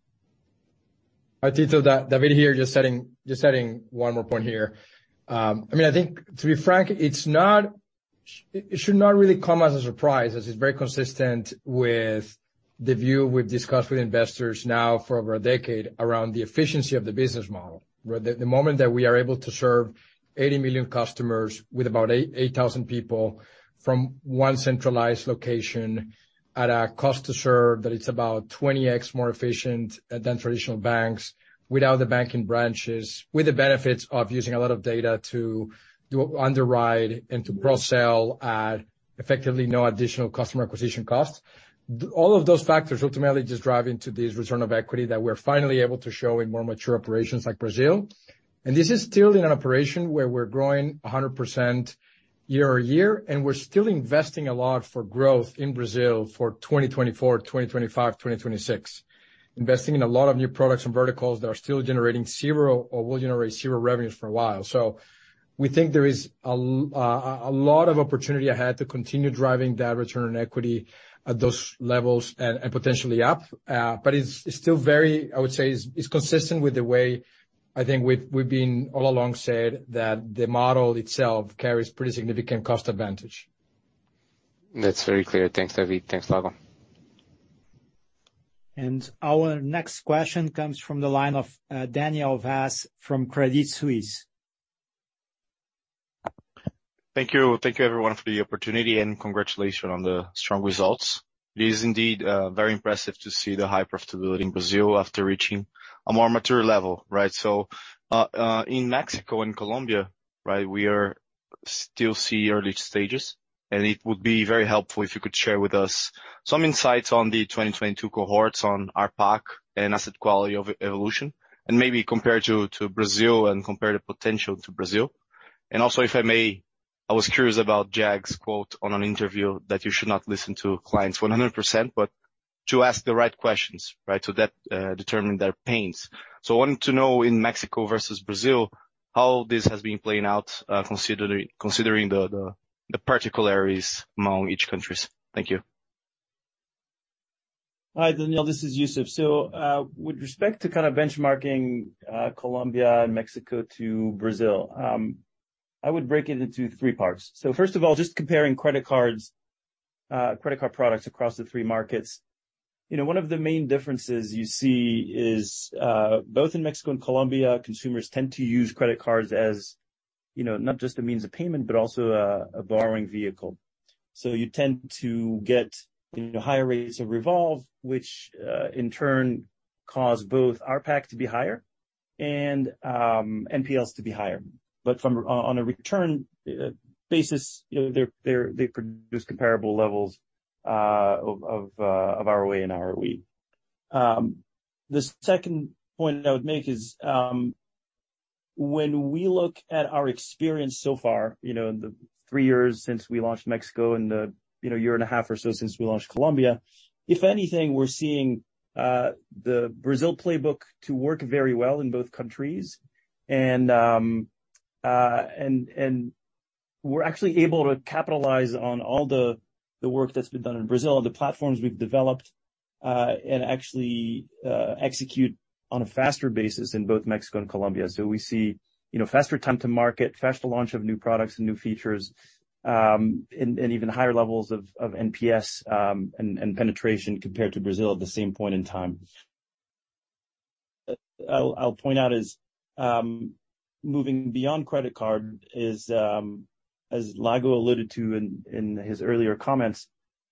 Hi, Tito. David Vélez here. Just adding one more point here. I mean, I think to be frank, it should not really come as a surprise, as it's very consistent with the view we've discussed with investors now for over a decade around the efficiency of the business model. Where the moment that we are able to serve 80 million customers with about 8,000 people from one centralized location at a cost to serve that it's about 20x more efficient than traditional banks, without the banking branches, with the benefits of using a lot of data to underwrite and to cross-sell at effectively no additional customer acquisition costs. All of those factors ultimately just drive into this return of equity that we're finally able to show in more mature operations like Brazil. This is still in an operation where we're growing 100% year-over-year, and we're still investing a lot for growth in Brazil for 2024, 2025, 2026. Investing in a lot of new products and verticals that are still generating zero or will generate zero revenues for a while. We think there is a lot of opportunity ahead to continue driving that return on equity at those levels potentially up. It's still very... I would say it's consistent with the way I think we've been all along said that the model itself carries pretty significant cost advantage. That's very clear. Thanks, David. Thanks, Lago. Our next question comes from the line of Daniel Vass from Credit Suisse. Thank you. Thank you everyone for the opportunity, and congratulations on the strong results. It is indeed very impressive to see the high profitability in Brazil after reaching a more mature level. Right. In Mexico and Colombia, right, we are still see early stages, and it would be very helpful if you could share with us some insights on the 2022 cohorts on RPAC and asset quality of evolution, and maybe compare to Brazil and compare the potential to Brazil. Also, if I may, I was curious about Jag's quote on an interview that you should not listen to clients 100%, but to ask the right questions, right? That determining their pains. I wanted to know in Mexico versus Brazil, how this has been playing out, considering the particular areas among each countries. Thank you. Hi, Daniel, this is Youssef. With respect to kind of benchmarking Colombia and Mexico to Brazil, I would break it into three parts. First of all, just comparing credit cards, credit card products across the three markets. You know, one of the main differences you see is both in Mexico and Colombia, consumers tend to use credit cards as, you know, not just a means of payment, but also a borrowing vehicle. You tend to get, you know, higher rates of revolve, which in turn cause both RPAC to be higher and NPLs to be higher. From a return basis, you know, they produce comparable levels of ROA and ROE. The second point I would make is, when we look at our experience so far, you know, in the three years since we launched Mexico and the, you know, year and a half or so since we launched Colombia, if anything, we're seeing the Brazil playbook to work very well in both countries. We're actually able to capitalize on all the work that's been done in Brazil, the platforms we've developed, and actually execute on a faster basis in both Mexico and Colombia. We see, you know, faster time to market, faster launch of new products and new features, and even higher levels of NPS, and penetration compared to Brazil at the same point in time. I'll point out is, moving beyond credit card is, as Lago alluded to in his earlier comments,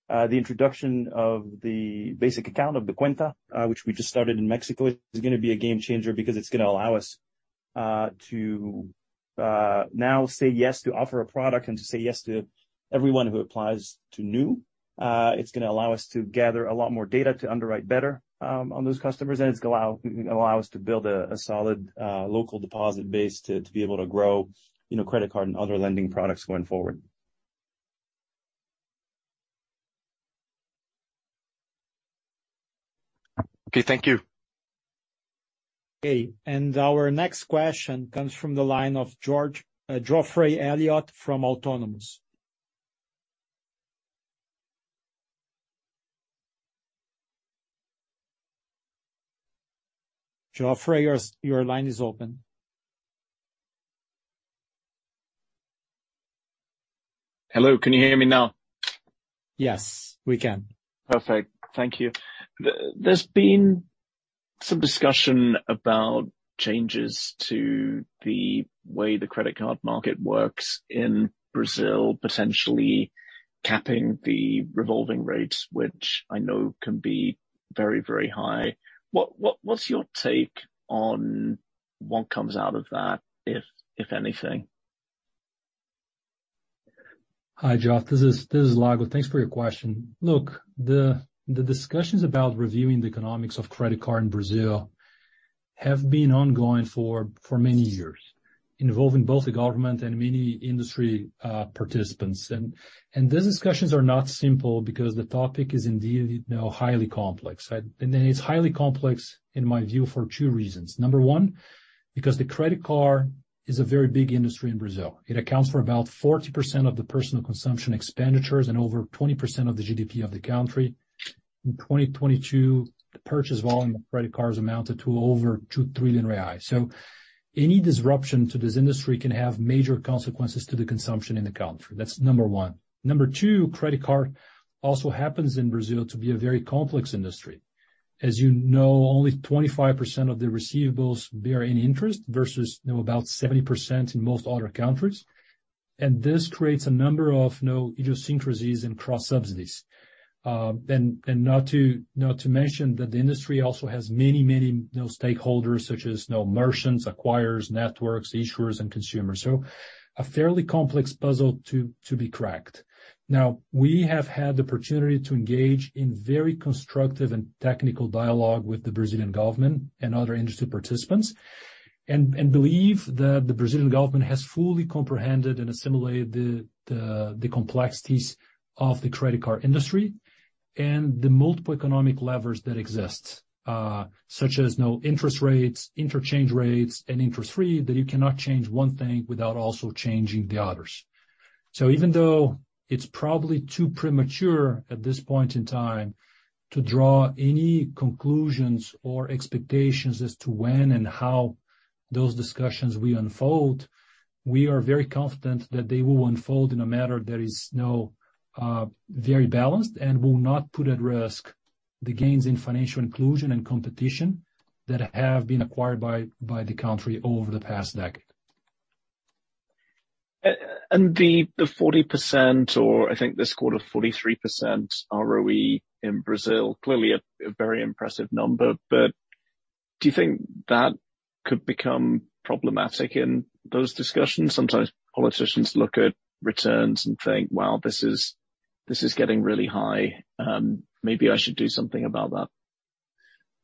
the introduction of the basic account of the Cuenta Nu, which we just started in Mexico, is gonna be a game changer because it's gonna allow us to now say yes to offer a product and to say yes to everyone who applies to Nu. It's gonna allow us to gather a lot more data to underwrite better on those customers. It's allow us to build a solid local deposit base to be able to grow, you know, credit card and other lending products going forward. Okay. Thank you. Okay. Our next question comes from the line of Geoffrey Elliott from Autonomous. Geoffrey, your line is open. Hello, can you hear me now? Yes, we can. Perfect. Thank you. There's been some discussion about changes to the way the credit card market works in Brazil, potentially capping the revolving rates, which I know can be very, very high. What's your take on what comes out of that, if anything? Hi, Geoff. This is Lago. Thanks for your question. Look, the discussions about reviewing the economics of credit card in Brazil have been ongoing for many years, involving both the government and many industry participants. These discussions are not simple because the topic is indeed, you know, highly complex. It's highly complex, in my view, for two reasons. Number one, because the credit card is a very big industry in Brazil. It accounts for about 40% of the personal consumption expenditures and over 20% of the GDP of the country. In 2022, the purchase volume of credit cards amounted to over 2 trillion reais. Any disruption to this industry can have major consequences to the consumption in the country. That's number one. Number two, credit card also happens in Brazil to be a very complex industry. As you know, only 25% of the receivables bear any interest versus, you know, about 70% in most other countries. This creates a number of, you know, idiosyncrasies and cross-subsidies. Not to mention that the industry also has many, you know, stakeholders such as, you know, merchants, acquirers, networks, issuers, and consumers. A fairly complex puzzle to be cracked. Now, we have had the opportunity to engage in very constructive and technical dialogue with the Brazilian Government and other industry participants, and believe that the Brazilian Government has fully comprehended and assimilated the complexities of the credit card industry and the multiple economic levers that exist, such as, you know, interest rates, interchange rates, and interest free, that you cannot change one thing without also changing the others. Even though it's probably too premature at this point in time to draw any conclusions or expectations as to when and how those discussions will unfold, we are very confident that they will unfold in a matter that is, you know, very balanced and will not put at risk the gains in financial inclusion and competition that have been acquired by the country over the past decade. The 40% or I think this quarter 43% ROE in Brazil, clearly a very impressive number, but do you think that could become problematic in those discussions? Sometimes politicians look at returns and think, "Wow, this is getting really high. Maybe I should do something about that.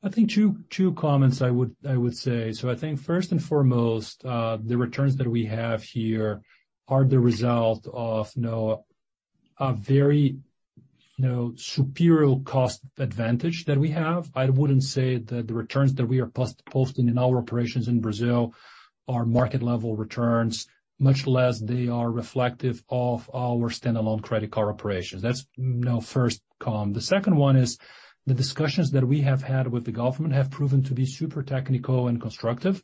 I think two comments I would say. First and foremost, the returns that we have here are the result of, you know, a very, you know, superior cost advantage that we have. I wouldn't say that the returns that we are posting in our operations in Brazil are market-level returns, much less they are reflective of our standalone credit card operations. That's, you know, first comment. The second one is the discussions that we have had with the government have proven to be super technical and constructive.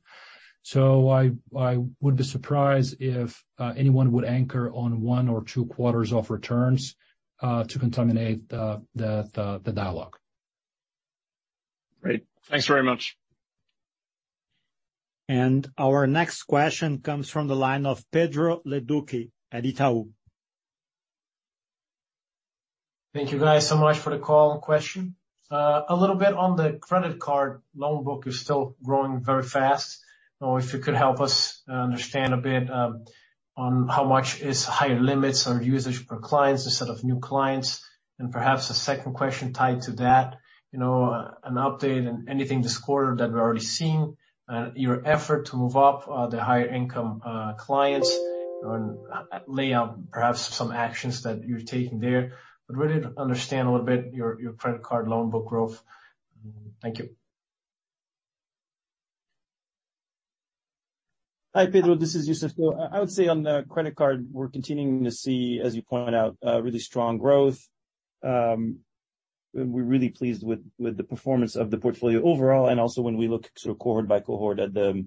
I would be surprised if anyone would anchor on one or two quarters of returns to contaminate the dialogue. Great. Thanks very much. Our next question comes from the line of Pedro Leduc at Itaú. Thank you guys so much for the call and question. A little bit on the credit card loan book is still growing very fast. You know, if you could help us understand a bit on how much is higher limits or usage per clients instead of new clients. Perhaps a second question tied to that, you know, an update on anything this quarter that we're already seeing. Your effort to move up the higher income clients and lay out perhaps some actions that you're taking there. Really to understand a little bit your credit card loan book growth. Thank you. Hi, Pedro. This is Youssef. I would say on the credit card, we're continuing to see, as you pointed out, really strong growth. We're really pleased with the performance of the portfolio overall, and also when we look sort of cohort by cohort at the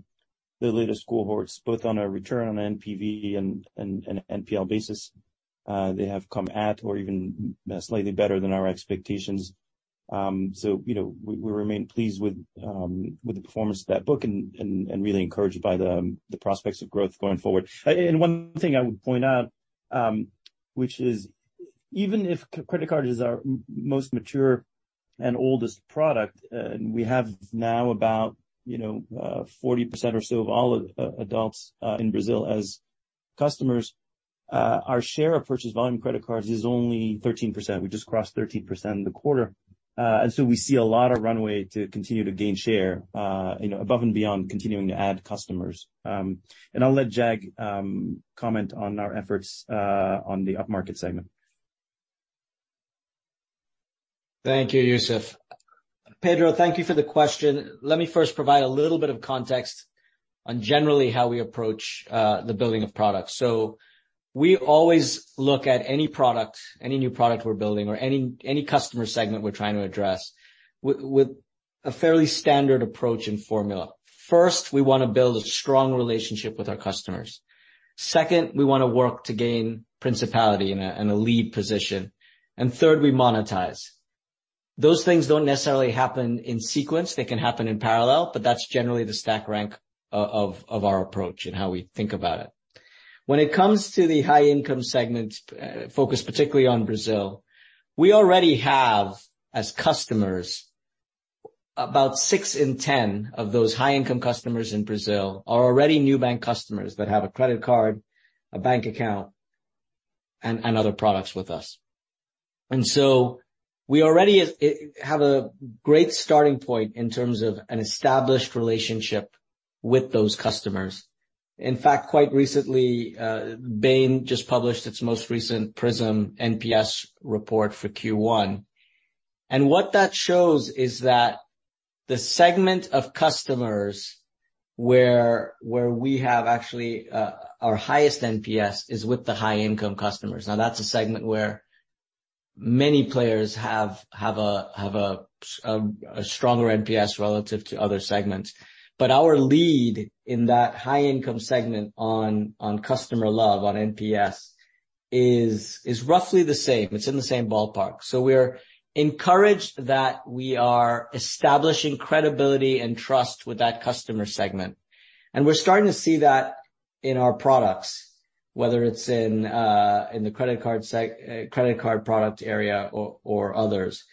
latest cohorts, both on a return on NPV and an NPL basis, they have come at or even slightly better than our expectations. You know, we remain pleased with the performance of that book and really encouraged by the prospects of growth going forward. One thing I would point out, which is even if credit card is our most mature and oldest product, and we have now about, you know, 40% or so of all adults in Brazil as customers, our share of purchase volume credit cards is only 13%. We just crossed 13% in the quarter. We see a lot of runway to continue to gain share, you know, above and beyond continuing to add customers. I'll let Jag comment on our efforts on the upmarket segment. Thank you, Youssef. Pedro, thank you for the question. Let me first provide a little bit of context on generally how we approach the building of products. We always look at any product, any new product we're building or any customer segment we're trying to address with a fairly standard approach and formula. First, we wanna build a strong relationship with our customers. Second, we wanna work to gain principality and a lead position. Third, we monetize. Those things don't necessarily happen in sequence. They can happen in parallel, but that's generally the stack rank of our approach and how we think about it. When it comes to the high income segments, focused particularly on Brazil, we already have as customers about six in 10 of those high income customers in Brazil are already Nubank customers that have a credit card, a bank account and other products with us. We already have a great starting point in terms of an established relationship with those customers. In fact, quite recently, Bain just published its most recent NPS Prism report for Q1. What that shows is that the segment of customers where we have actually our highest NPS is with the high income customers. That's a segment where many players have a stronger NPS relative to other segments. Our lead in that high income segment on customer love, on NPS is roughly the same. It's in the same ballpark. We're encouraged that we are establishing credibility and trust with that customer segment. We're starting to see that in our products, whether it's in the credit card product area or others,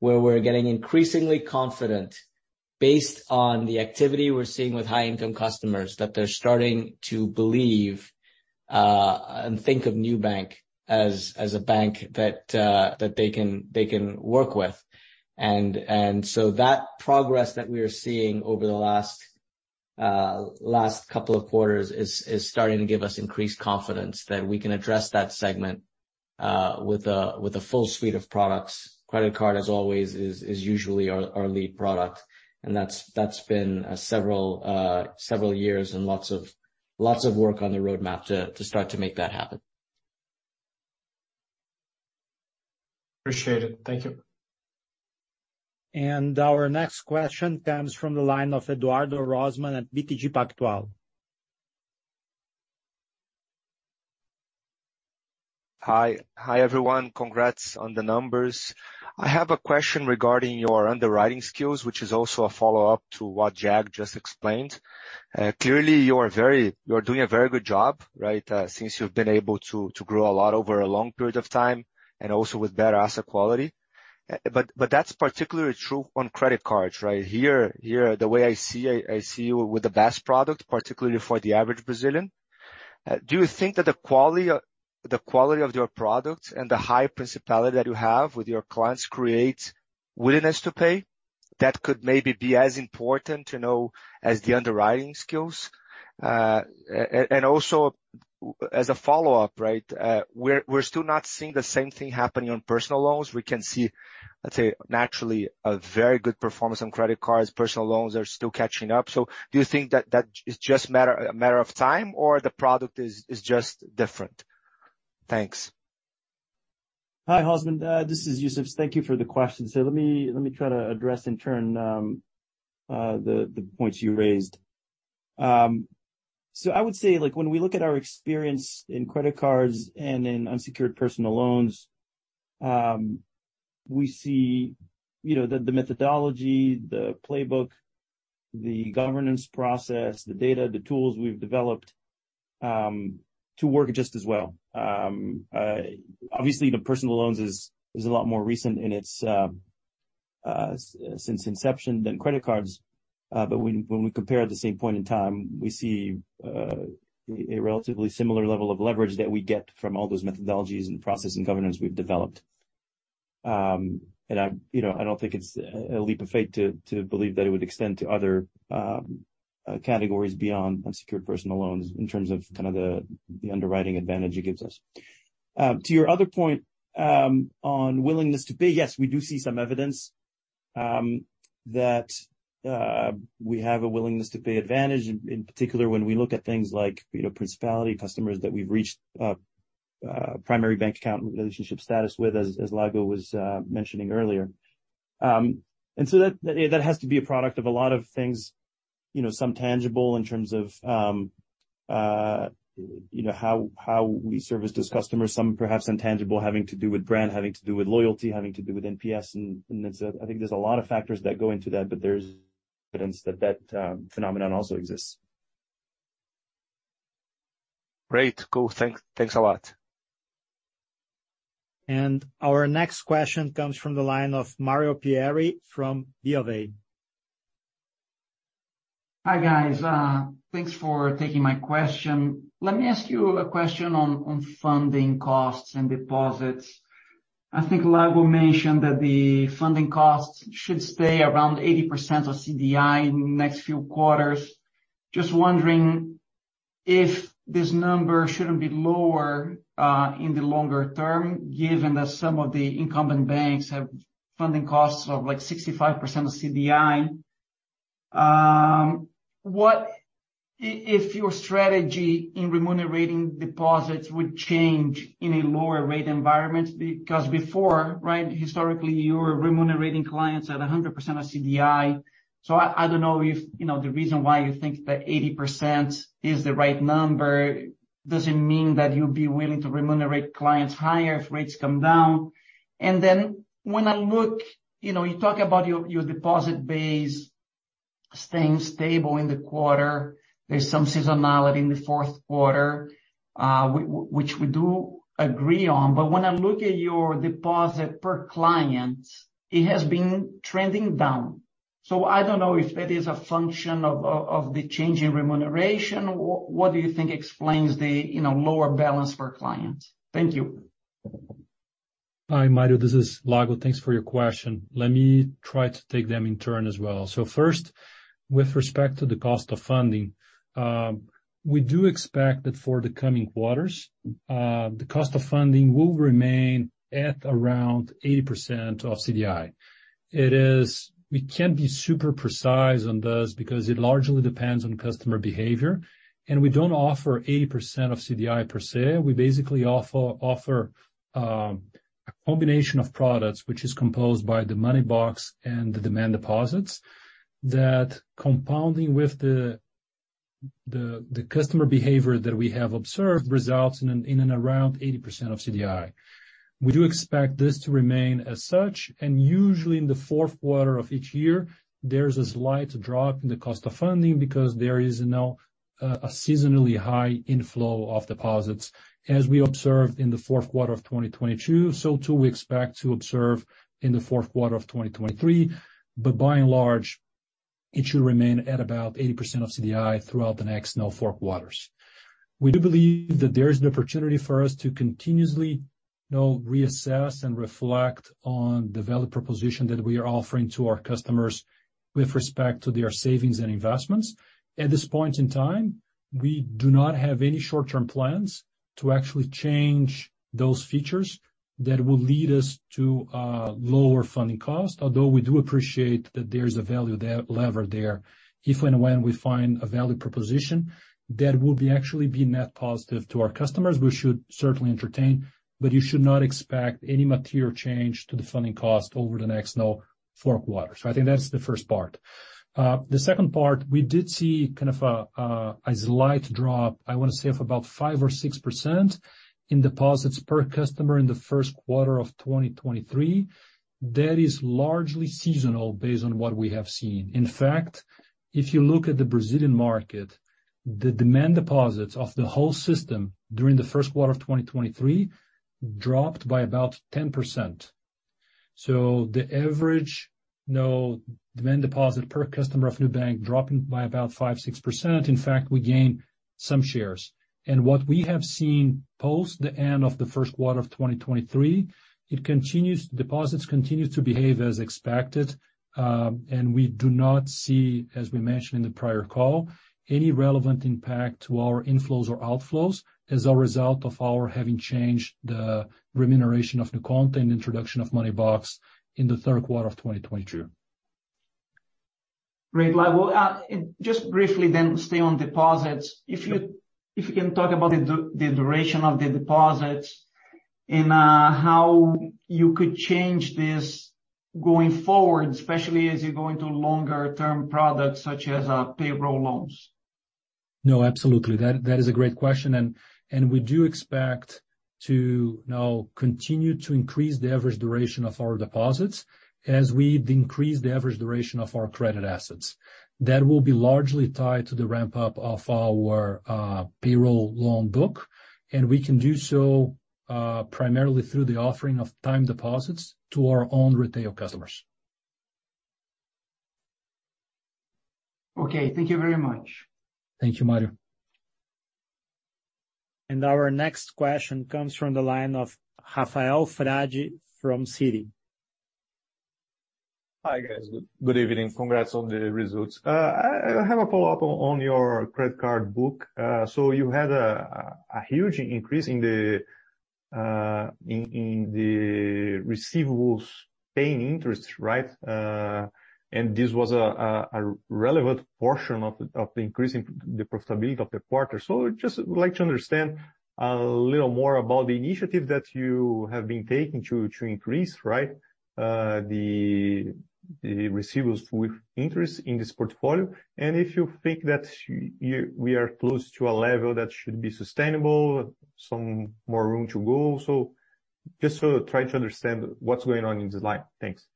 where we're getting increasingly confident based on the activity we're seeing with high income customers that they're starting to believe and think of Nubank as a bank that they can work with. That progress that we are seeing over the last couple of quarters is starting to give us increased confidence that we can address that segment with a full suite of products. Credit card, as always, is usually our lead product, and that's been several years and lots of work on the roadmap to start to make that happen. Appreciate it. Thank you. Our next question comes from the line of Eduardo Rosman at BTG Pactual. Hi. Hi, everyone. Congrats on the numbers. I have a question regarding your underwriting skills, which is also a follow-up to what Jag just explained. Clearly, you're doing a very good job, right, since you've been able to grow a lot over a long period of time, and also with better asset quality. That's particularly true on credit cards, right? Here, the way I see you with the best product, particularly for the average Brazilian. Do you think that the quality of your product and the high principality that you have with your clients creates willingness to pay that could maybe be as important to know as the underwriting skills? Also as a follow-up, right, we're still not seeing the same thing happening on personal loans. We can see, let's say, naturally, a very good performance on credit cards. Personal loans are still catching up. Do you think that is just a matter of time, or the product is just different? Thanks. Hi, Rosman. This is Youssef. Thank you for the question. Let me try to address in turn the points you raised. I would say, like, when we look at our experience in credit cards and in unsecured personal loans, we see, you know, the methodology, the playbook, the governance process, the data, the tools we've developed to work just as well. Obviously the personal loans is a lot more recent in its since inception than credit cards. When we compare at the same point in time, we see a relatively similar level of leverage that we get from all those methodologies and process and governance we've developed. I, you know, I don't think it's a leap of faith to believe that it would extend to other categories beyond unsecured personal loans in terms of kind of the underwriting advantage it gives us. To your other point, on willingness to pay, yes, we do see some evidence that we have a willingness to pay advantage, in particular when we look at things like, you know, principality customers that we've reached a primary bank account relationship status with, as Lago was mentioning earlier. That has to be a product of a lot of things, you know, some tangible in terms of, you know, how we service those customers, some perhaps intangible having to do with brand, having to do with loyalty, having to do with NPS. It's, I think there's a lot of factors that go into that, but there's evidence that phenomenon also exists. Great. Cool. Thanks a lot. Our next question comes from the line of Mario Pierry from Bank of America. Hi, guys. thanks for taking my question. Let me ask you a question on funding costs and deposits. I think Lago mentioned that the funding costs should stay around 80% of CDI in the next few quarters. Just wondering if this number shouldn't be lower in the longer term, given that some of the incumbent banks have funding costs of like 65% of CDI. if your strategy in remunerating deposits would change in a lower rate environment because before, right, historically, you were remunerating clients at 100% of CDI. I don't know if, you know, the reason why you think that 80% is the right number. Does it mean that you'll be willing to remunerate clients higher if rates come down? When I look, you know, you talk about your deposit base staying stable in the quarter. There's some seasonality in the fourth quarter, which we do agree on. When I look at your deposit per client, it has been trending down. I don't know if that is a function of the change in remuneration. What do you think explains the, you know, lower balance for clients? Thank you. Hi, Mario. This is Lago. Thanks for your question. Let me try to take them in turn as well. First, with respect to the cost of funding, we do expect that for the coming quarters, the cost of funding will remain at around 80% of CDI. We can't be super precise on this because it largely depends on customer behavior, and we don't offer 80% of CDI per se. We basically offer a combination of products which is composed by the money box and the demand deposits that compounding with the customer behavior that we have observed results in and around 80% of CDI. We do expect this to remain as such. Usually in the fourth quarter of each year, there's a slight drop in the cost of funding because there is now a seasonally high inflow of deposits, as we observed in the fourth quarter of 2022. Too, we expect to observe in the fourth quarter of 2023. By and large, it should remain at about 80% of CDI throughout the next known four quarters. We do believe that there is an opportunity for us to continuously, you know, reassess and reflect on the value proposition that we are offering to our customers with respect to their savings and investments. At this point in time, we do not have any short-term plans to actually change those features that will lead us to lower funding costs. Although we do appreciate that there's a value lever there. If and when we find a value proposition that will actually be net positive to our customers, we should certainly entertain. You should not expect any material change to the funding cost over the next known four quarters. I think that's the first part. The second part, we did see kind of a slight drop, I wanna say, of about 5% or 6% in deposits per customer in the first quarter of 2023. That is largely seasonal based on what we have seen. In fact, if you look at the Brazilian market, the demand deposits of the whole system during the first quarter of 2023 dropped by about 10%. The average, you know, demand deposit per customer of Nubank dropping by about 5%-6%, in fact, we gained some shares. What we have seen post the end of the first quarter of 2023, deposits continue to behave as expected, and we do not see, as we mentioned in the prior call, any relevant impact to our inflows or outflows as a result of our having changed the remuneration of NuConta and introduction of Money Box in the third quarter of 2022. Great. Well, I will just briefly then stay on deposits. If you can talk about the duration of the deposits and how you could change this going forward, especially as you go into longer term products such as payroll loans. No, absolutely. That is a great question. We do expect to now continue to increase the average duration of our deposits as we increase the average duration of our credit assets. That will be largely tied to the ramp-up of our payroll loan book, we can do so primarily through the offering of time deposits to our own retail customers. Okay. Thank you very much. Thank you, Mario. Our next question comes from the line of Rafael Frade from Citi. Hi, guys. Good, good evening. Congrats on the results. I have a follow-up on your credit card book. You had a huge increase in the, in the receivables paying interest, right? And this was a relevant portion of the increase in the profitability of the quarter. Just would like to understand a little more about the initiative that you have been taking to increase, right, the receivables with interest in this portfolio. And if you think that we are close to a level that should be sustainable, some more room to go. Just to try to understand what's going on in this line. Thanks.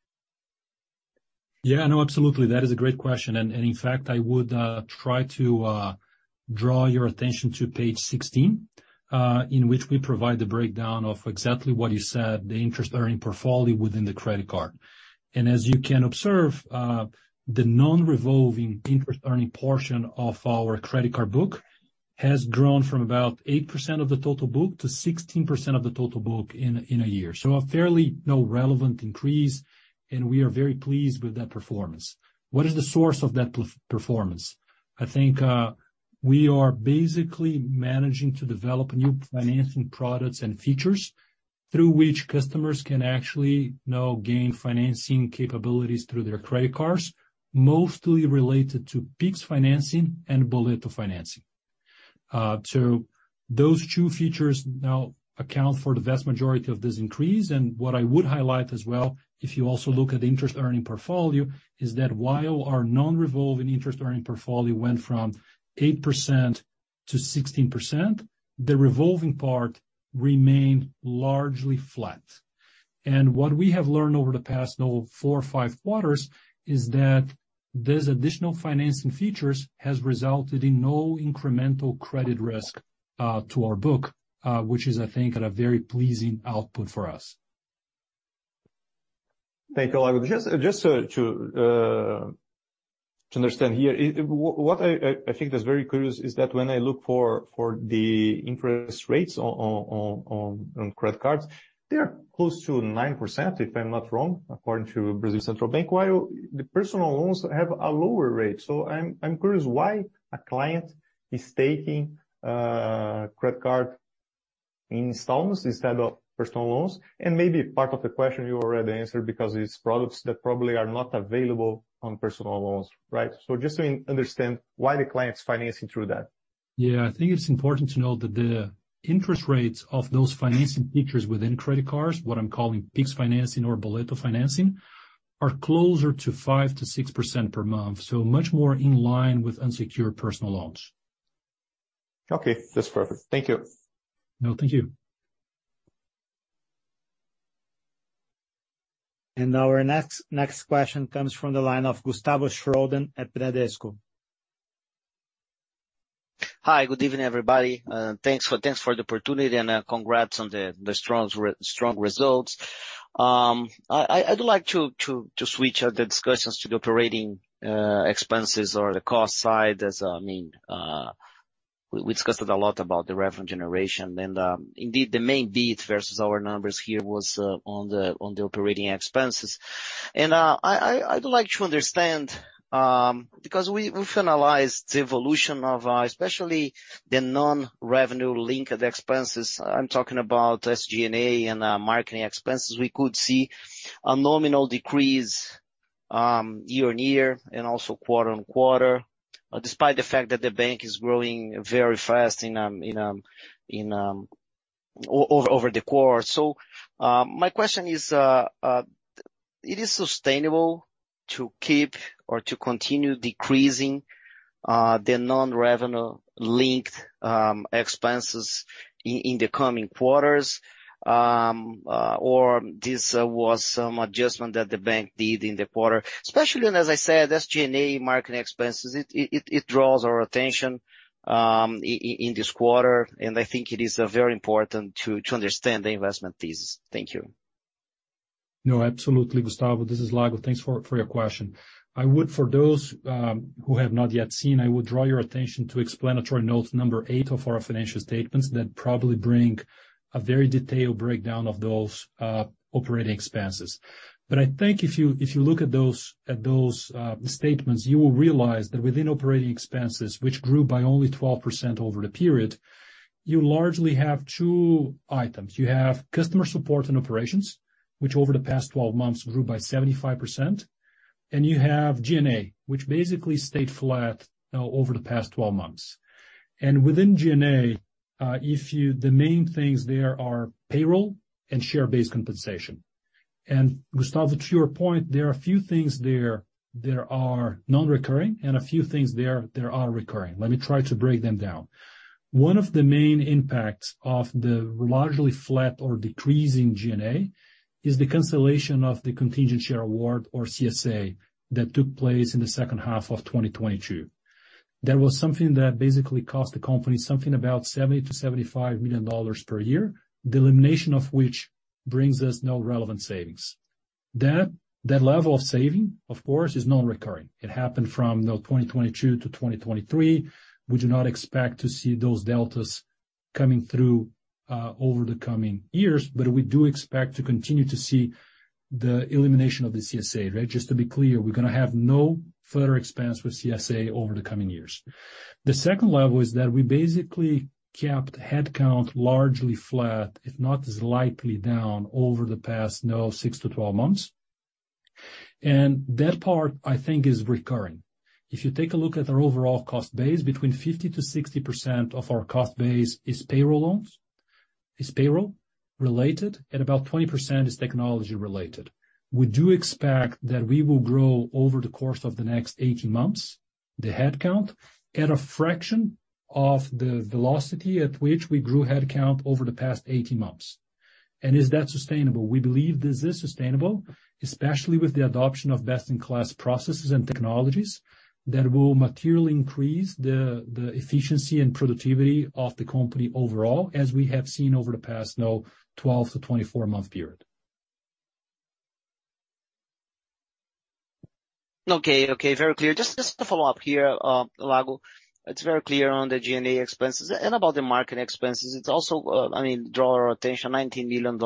Yeah, no, absolutely. That is a great question. In fact, I would try to draw your attention to page 16, in which we provide the breakdown of exactly what you said, the interest-earning portfolio within the credit card. As you can observe, the non-revolving interest-earning portion of our credit card book has grown from about 8% of the total book to 16% of the total book in a year. A fairly, you know, relevant increase, and we are very pleased with that performance. What is the source of that performance? I think, we are basically managing to develop new financing products and features through which customers can actually, you know, gain financing capabilities through their credit cards, mostly related to Pix financing and Boleto financing. Those two features now account for the vast majority of this increase. What I would highlight as well, if you also look at interest earning portfolio, is that while our non-revolving interest earning portfolio went from 8% to 16%, the revolving part remained largely flat. What we have learned over the past, you know, four or five quarters is that these additional financing features has resulted in no incremental credit risk to our book, which is, I think, a very pleasing output for us. Thank you. To understand here, I think that's very curious is that when I look for the interest rates on credit cards, they're close to 9%, if I'm not wrong, according to Central Bank of Brazil, while the personal loans have a lower rate. I'm curious why a client is taking a credit card installments instead of personal loans. Maybe part of the question you already answered because it's products that probably are not available on personal loans, right? Just to understand why the client's financing through that. Yeah. I think it's important to note that the interest rates of those financing features within credit cards, what I'm calling Pix financing or Boleto financing, are closer to 5%-6% per month, so much more in line with unsecured personal loans. Okay. That's perfect. Thank you. No, thank you. Our next question comes from the line of Gustavo Schroden at Bradesco. Hi. Good evening, everybody. Thanks for the opportunity and congrats on the strong results. I'd like to switch the discussions to the operating expenses or the cost side. As, I mean, we discussed a lot about the revenue generation and indeed the main beat versus our numbers here was on the operating expenses. I'd like to understand because we finalized the evolution of especially the non-revenue linked expenses. I'm talking about SG&A and marketing expenses. We could see a nominal decrease year-on-year and also quarter-on-quarter, despite the fact that the bank is growing very fast in the quarter. My question is, it is sustainable to keep or to continue decreasing the non-revenue linked expenses in the coming quarters, or this was some adjustment that the bank did in the quarter? Especially when, as I said, SG&A marketing expenses, it draws our attention in this quarter, and I think it is very important to understand the investment thesis. Thank you. No, absolutely, Gustavo. This is Lago. Thanks for your question. I would for those who have not yet seen, I would draw your attention to explanatory note number 8 of our financial statements that probably bring a very detailed breakdown of those operating expenses. I think if you look at those statements, you will realize that within operating expenses, which grew by only 12% over the period, you largely have two items. You have customer support and operations, which over the past 12 months grew by 75%, and you have G&A, which basically stayed flat over the past 12 months. Within G&A, the main things there are payroll and share-based compensation. Gustavo, to your point, there are a few things there that are non-recurring and a few things there that are recurring. Let me try to break them down. One of the main impacts of the largely flat or decreasing G&A is the cancellation of the Contingent Share Award, or CSA, that took place in the second half of 2022. That was something that basically cost the company something about $70 million-$75 million per year, the elimination of which brings us no relevant savings. That level of saving, of course, is non-recurring. It happened from, you know, 2022-2023. We do not expect to see those deltas coming through over the coming years, but we do expect to continue to see the elimination of the CSA, right? Just to be clear, we're gonna have no further expense with CSA over the coming years. The second level is that we basically kept headcount largely flat, if not slightly down, over the past, you know, 6-12 months. That part, I think, is recurring. If you take a look at our overall cost base, between 50%-60% of our cost base is payroll-related, and about 20% is technology-related. We do expect that we will grow over the course of the next 18 months, the headcount, at a fraction of the velocity at which we grew headcount over the past 18 months. Is that sustainable? We believe this is sustainable, especially with the adoption of best-in-class processes and technologies that will materially increase the efficiency and productivity of the company overall, as we have seen over the past, you know, 12-24 month period. Okay, okay. Very clear. Just to follow up here, Lago, it's very clear on the G&A expenses and about the market expenses. It's also, I mean, draw our attention, $19 million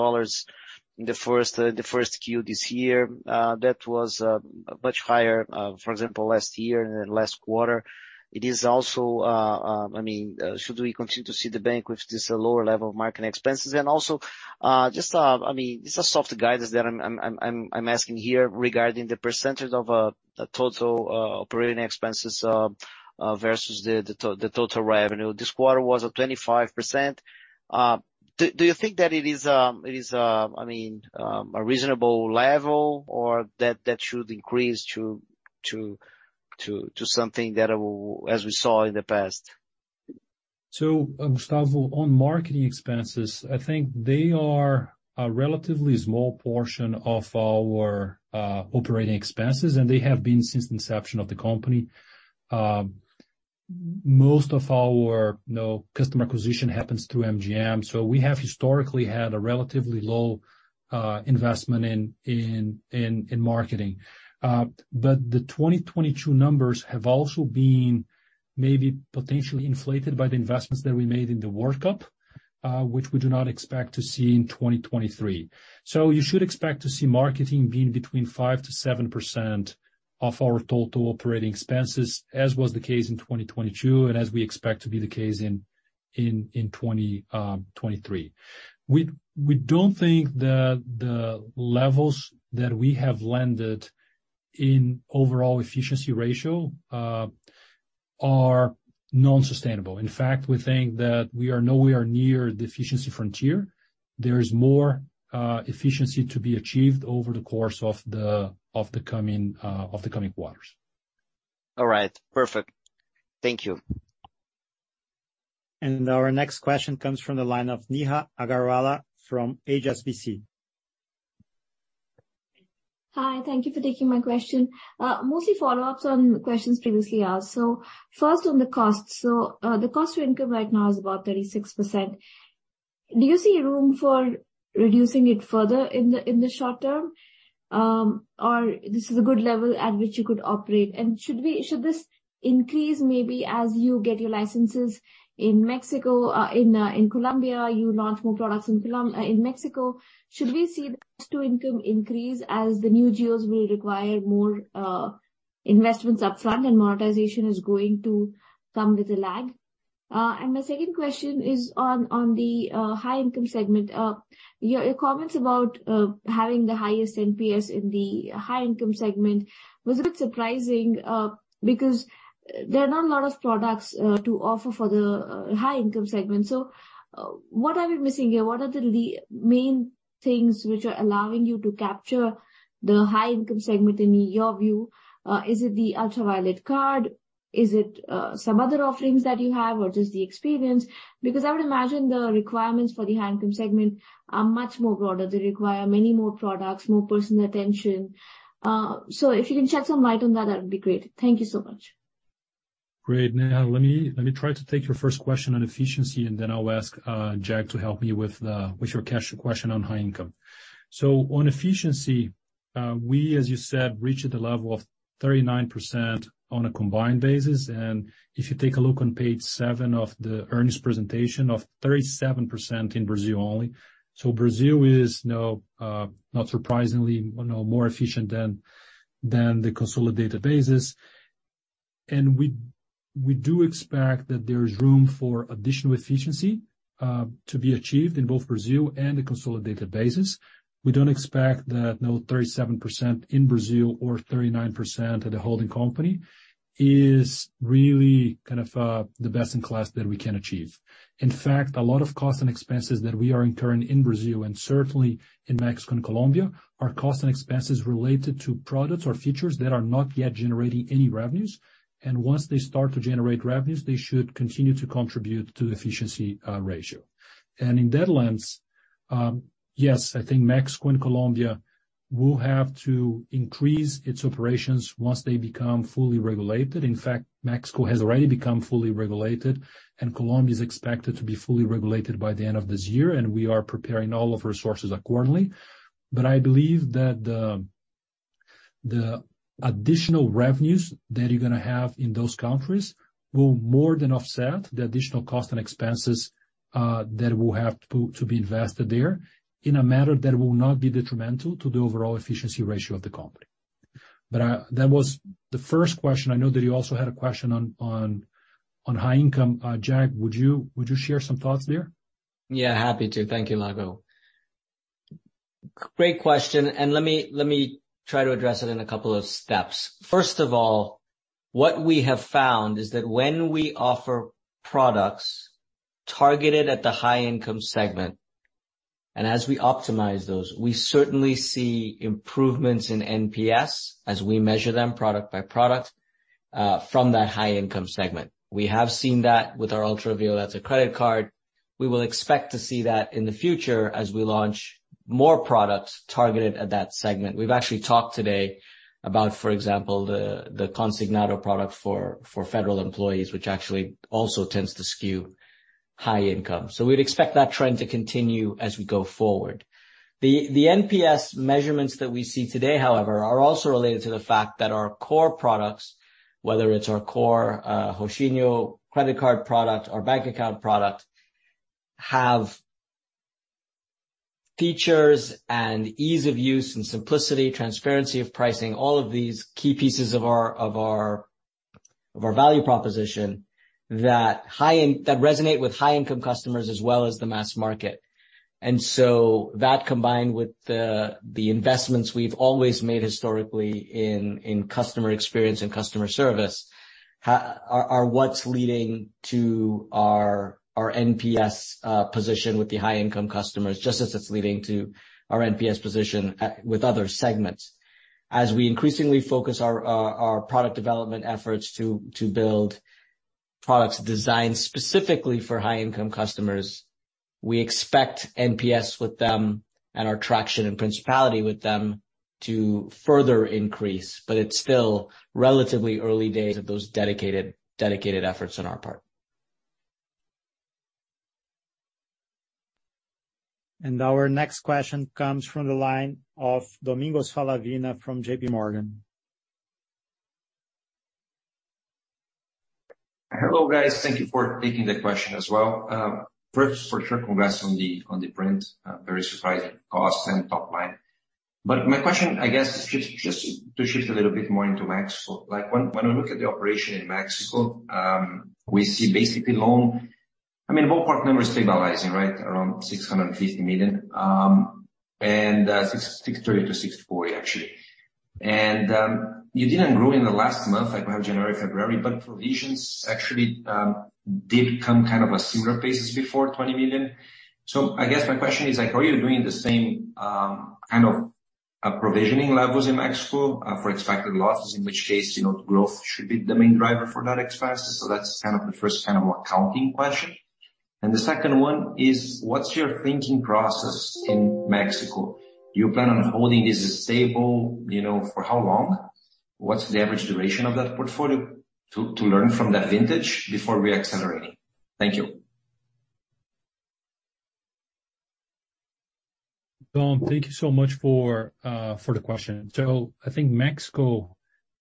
in the first Q this year. That was much higher, for example, last year and then last quarter. It is also, I mean, should we continue to see the bank with this lower level of market expenses? Also, just, I mean, it's a soft guidance that I'm asking here regarding the percentage of the total operating expenses versus the total revenue. This quarter was at 25%. Do you think that it is, I mean, a reasonable level or that that should increase to something that will-- as we saw in the past? Gustavo, on marketing expenses, I think they are a relatively small portion of our operating expenses, and they have been since inception of the company. Most of our, you know, customer acquisition happens through MGM, so we have historically had a relatively low investment in marketing. The 2022 numbers have also been maybe potentially inflated by the investments that we made in the World Cup, which we do not expect to see in 2023. You should expect to see marketing being between 5%-7% of our total operating expenses, as was the case in 2022 and as we expect to be the case in 2023. We don't think that the levels that we have landed in overall efficiency ratio are non-sustainable. In fact, we think that we are nowhere near the efficiency frontier. There is more efficiency to be achieved over the course of the coming quarters. All right, perfect. Thank you. Our next question comes from the line of Neha Agarwala from HSBC. Hi. Thank you for taking my question. Mostly follow-ups on questions previously asked. First on the cost. The cost to income right now is about 36%. Do you see room for reducing it further in the short term, or this is a good level at which you could operate? Should this increase maybe as you get your licenses in Mexico, in Colombia, you launch more products in Mexico, should we see this to income increase as the new geos will require more investments upfront and monetization is going to come with a lag? My second question is on the high income segment. Your comments about having the highest NPS in the high income segment was a bit surprising because there are not a lot of products to offer for the high income segment. What are you missing here? What are the main things which are allowing you to capture the high income segment in your view? Is it the Ultravioleta card? Is it some other offerings that you have, or just the experience? I would imagine the requirements for the high income segment are much more broader. They require many more products, more personal attention. If you can shed some light on that would be great. Thank you so much. Great. Let me try to take your first question on efficiency, then I'll ask Jag to help me with your question on high income. On efficiency, we, as you said, reached the level of 39% on a combined basis. If you take a look on page seven of the earnings presentation, of 37% in Brazil only. Brazil is now, not surprisingly, you know, more efficient than the consolidated basis. We do expect that there's room for additional efficiency to be achieved in both Brazil and the consolidated basis. We don't expect that no 37% in Brazil or 39% at the holding company is really kind of the best in class that we can achieve. In fact, a lot of costs and expenses that we are incurring in Brazil, and certainly in Mexico and Colombia, are costs and expenses related to products or features that are not yet generating any revenues. Once they start to generate revenues, they should continue to contribute to efficiency ratio. In that lens, yes, I think Mexico and Colombia will have to increase its operations once they become fully regulated. In fact, Mexico has already become fully regulated, and Colombia is expected to be fully regulated by the end of this year, and we are preparing all of our resources accordingly. I believe that the additional revenues that you're gonna have in those countries will more than offset the additional cost and expenses, that will have to be invested there in a manner that will not be detrimental to the overall efficiency ratio of the company. That was the first question. I know that you also had a question on high income. Jag, would you share some thoughts there? Yeah, happy to. Thank you, Lago. Great question. Let me try to address it in a couple of steps. First of all, what we have found is that when we offer products targeted at the high income segment, as we optimize those, we certainly see improvements in NPS as we measure them product by product from that high income segment. We have seen that with our Ultravioleta, that's a credit card. We will expect to see that in the future as we launch more products targeted at that segment. We've actually talked today about, for example, the Consignado product for federal employees, which actually also tends to skew high income. We'd expect that trend to continue as we go forward. The NPS measurements that we see today, however, are also related to the fact that our core products, whether it's our core Roxinho credit card product or bank account product, have features and ease of use and simplicity, transparency of pricing, all of these key pieces of our value proposition that resonate with high income customers as well as the mass market. That combined with the investments we've always made historically in customer experience and customer service, are what's leading to our NPS position with the high income customers, just as it's leading to our NPS position with other segments. As we increasingly focus our product development efforts to build products designed specifically for high income customers, we expect NPS with them and our traction and principality with them to further increase. It's still relatively early days of those dedicated efforts on our part. Our next question comes from the line of Domingos Falavina from JPMorgan. Hello, guys. Thank you for taking the question as well. First, for sure, congrats on the print, very surprising costs and top line. My question, I guess, is just to shift a little bit more into Mexico. Like, when we look at the operation in Mexico, we see basically I mean, loan part number is stabilizing, right, around 650 million, and 630-640, actually. You didn't grow in the last month, like we have January, February. Provisions actually, did come kind of a similar pace as before, 20 million. I guess my question is like, are you doing the same kind of provisioning levels in Mexico for expected losses, in which case, you know, growth should be the main driver for that expense? That's kind of the first kind of accounting question. The second one is, what's your thinking process in Mexico? Do you plan on holding this stable, you know, for how long? What's the average duration of that portfolio to learn from that vintage before reaccelerating? Thank you. Dom, thank you so much for the question. I think Mexico,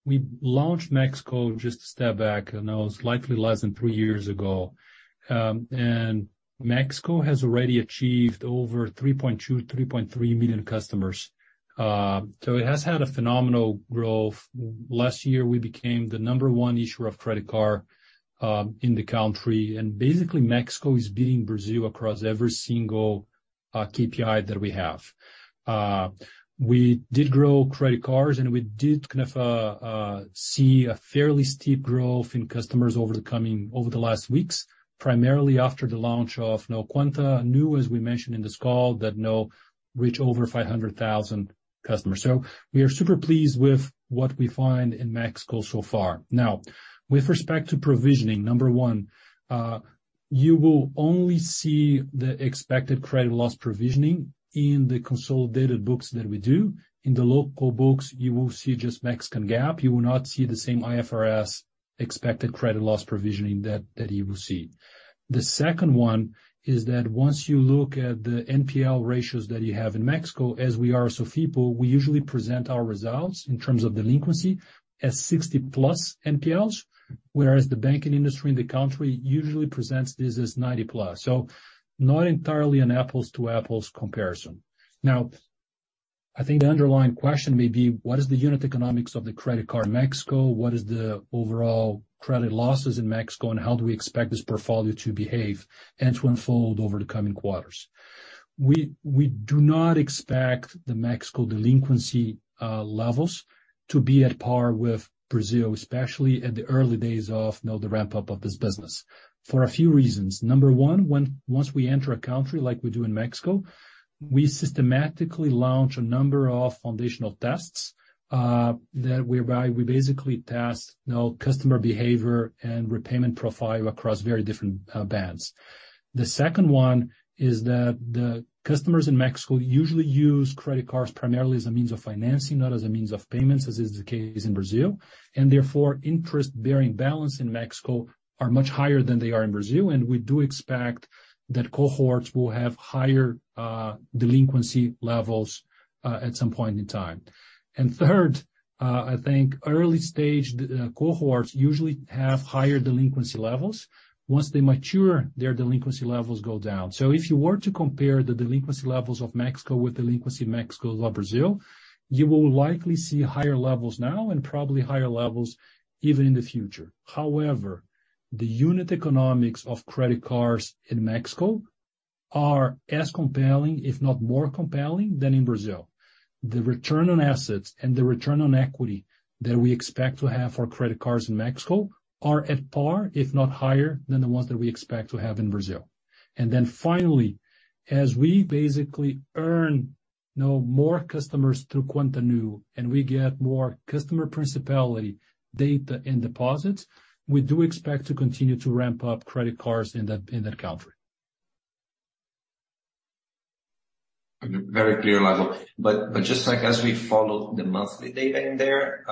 we launched Mexico just a step back, and that was likely less than three years ago. Mexico has already achieved over 3.2, 3.3 million customers. It has had a phenomenal growth. Last year, we became the number one issuer of credit card in the country. Basically, Mexico is beating Brazil across every single KPI that we have. We did grow credit cards, and we did kind of see a fairly steep growth in customers over the last weeks, primarily after the launch of, you know, Cuenta Nu, as we mentioned in this call, that now reach over 500,000 customers. We are super pleased with what we find in Mexico so far. With respect to provisioning, number one, you will only see the Expected Credit Loss provisioning in the consolidated books that we do. In the local books, you will see just Mexican GAAP. You will not see the same IFRS Expected Credit Loss provisioning that you will see. The second one is that once you look at the NPL ratios that you have in Mexico, as we are Sofipo, we usually present our results in terms of delinquency as 60+ NPLs, whereas the banking industry in the country usually presents this as 90+. Not entirely an apples to apples comparison. I think the underlying question may be, what is the unit economics of the credit card in Mexico? What is the overall credit losses in Mexico, and how do we expect this portfolio to behave and to unfold over the coming quarters? We do not expect the Mexico delinquency levels to be at par with Brazil, especially at the early days of, you know, the ramp-up of this business for a few reasons. Number one, once we enter a country like we do in Mexico, we systematically launch a number of foundational tests that whereby we basically test, you know, customer behavior and repayment profile across very different bands. The second one is that the customers in Mexico usually use credit cards primarily as a means of financing, not as a means of payments, as is the case in Brazil. Therefore, interest-bearing balance in Mexico are much higher than they are in Brazil. We do expect that cohorts will have higher delinquency levels at some point in time. Third, I think early-stage cohorts usually have higher delinquency levels. Once they mature, their delinquency levels go down. If you were to compare the delinquency levels of Mexico with delinquency in Mexico or Brazil, you will likely see higher levels now and probably higher levels even in the future. However, the unit economics of credit cards in Mexico are as compelling, if not more compelling, than in Brazil. The return on assets and the return on equity that we expect to have for credit cards in Mexico are at par, if not higher, than the ones that we expect to have in Brazil. Finally, as we basically earn, you know, more customers through Cuenta Nu, and we get more customer principality data and deposits, we do expect to continue to ramp up credit cards in that, in that country. Very clear, Lago. Just like as we follow the monthly data in there,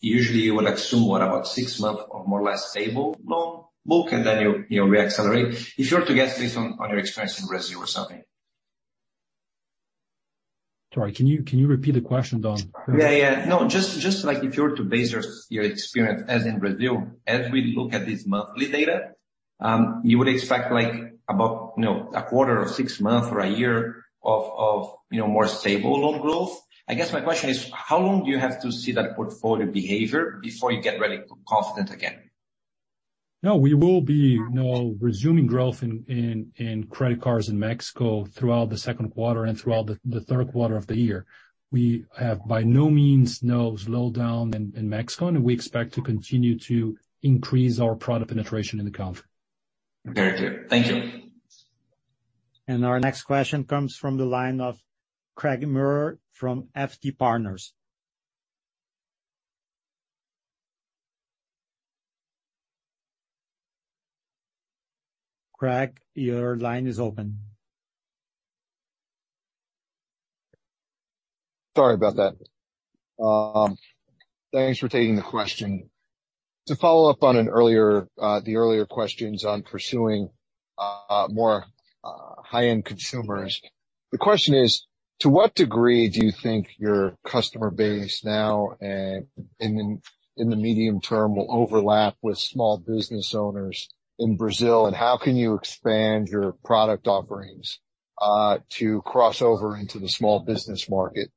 usually you would assume, what, about six months or more or less stable loan book and then you re-accelerate. If you were to guess based on your experience in Brazil or something? Sorry, can you repeat the question, Dom? Yeah. No, just like if you were to base your experience as in Brazil, as we look at this monthly data, you would expect like about, you know, a quarter or six months or a year of, you know, more stable loan growth. I guess my question is how long do you have to see that portfolio behavior before you get really confident again? No, we will be, you know, resuming growth in credit cards in Mexico throughout the second quarter and throughout the third quarter of the year. We have by no means no slowdown in Mexico, and we expect to continue to increase our product penetration in the country. Very clear. Thank you. Our next question comes from the line of Craig Maurer from FT Partners. Craig, your line is open. Sorry about that. Thanks for taking the question. To follow up on an earlier, the earlier questions on pursuing more high-end consumers, the question is, to what degree do you think your customer base now and in the medium term will overlap with small business owners in Brazil? How can you expand your product offerings to cross over into the small business market?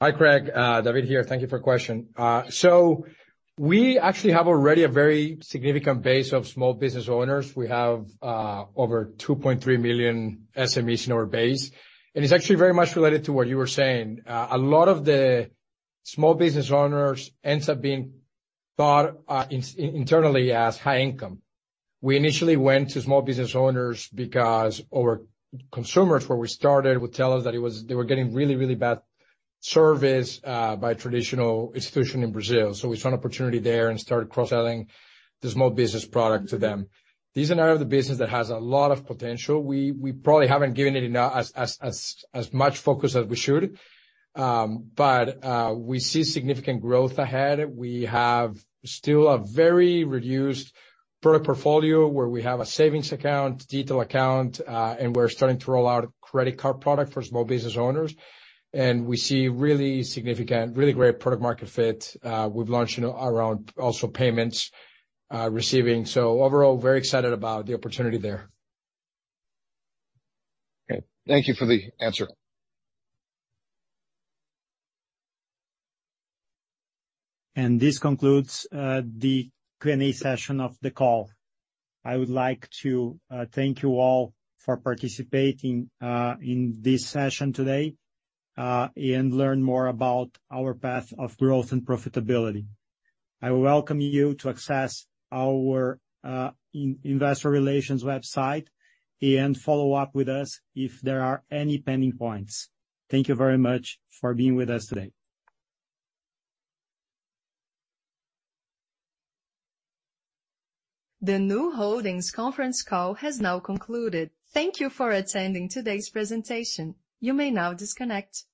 Hi, Craig. David here. Thank you for your question. We actually have already a very significant base of small business owners. We have over 2.3 million SMEs in our base. It's actually very much related to what you were saying. A lot of the small business owners ends up being thought internally as high income. We initially went to small business owners because our consumers, where we started, would tell us that they were getting really bad service by traditional institution in Brazil. We saw an opportunity there and started cross-selling the small business product to them. These are the business that has a lot of potential. We probably haven't given it as much focus as we should. We see significant growth ahead. We have still a very reduced product portfolio where we have a savings account, detail account, and we're starting to roll out credit card product for small business owners. We see really significant, really great product market fit. We've launched, you know, around also payments, receiving. Overall, very excited about the opportunity there. Okay. Thank you for the answer. This concludes the Q&A session of the call. I would like to thank you all for participating in this session today and learn more about our path of growth and profitability. I welcome you to access our investor relations website and follow up with us if there are any pending points. Thank you very much for being with us today. The Nu Holdings conference call has now concluded. Thank you for attending today's presentation. You may now disconnect.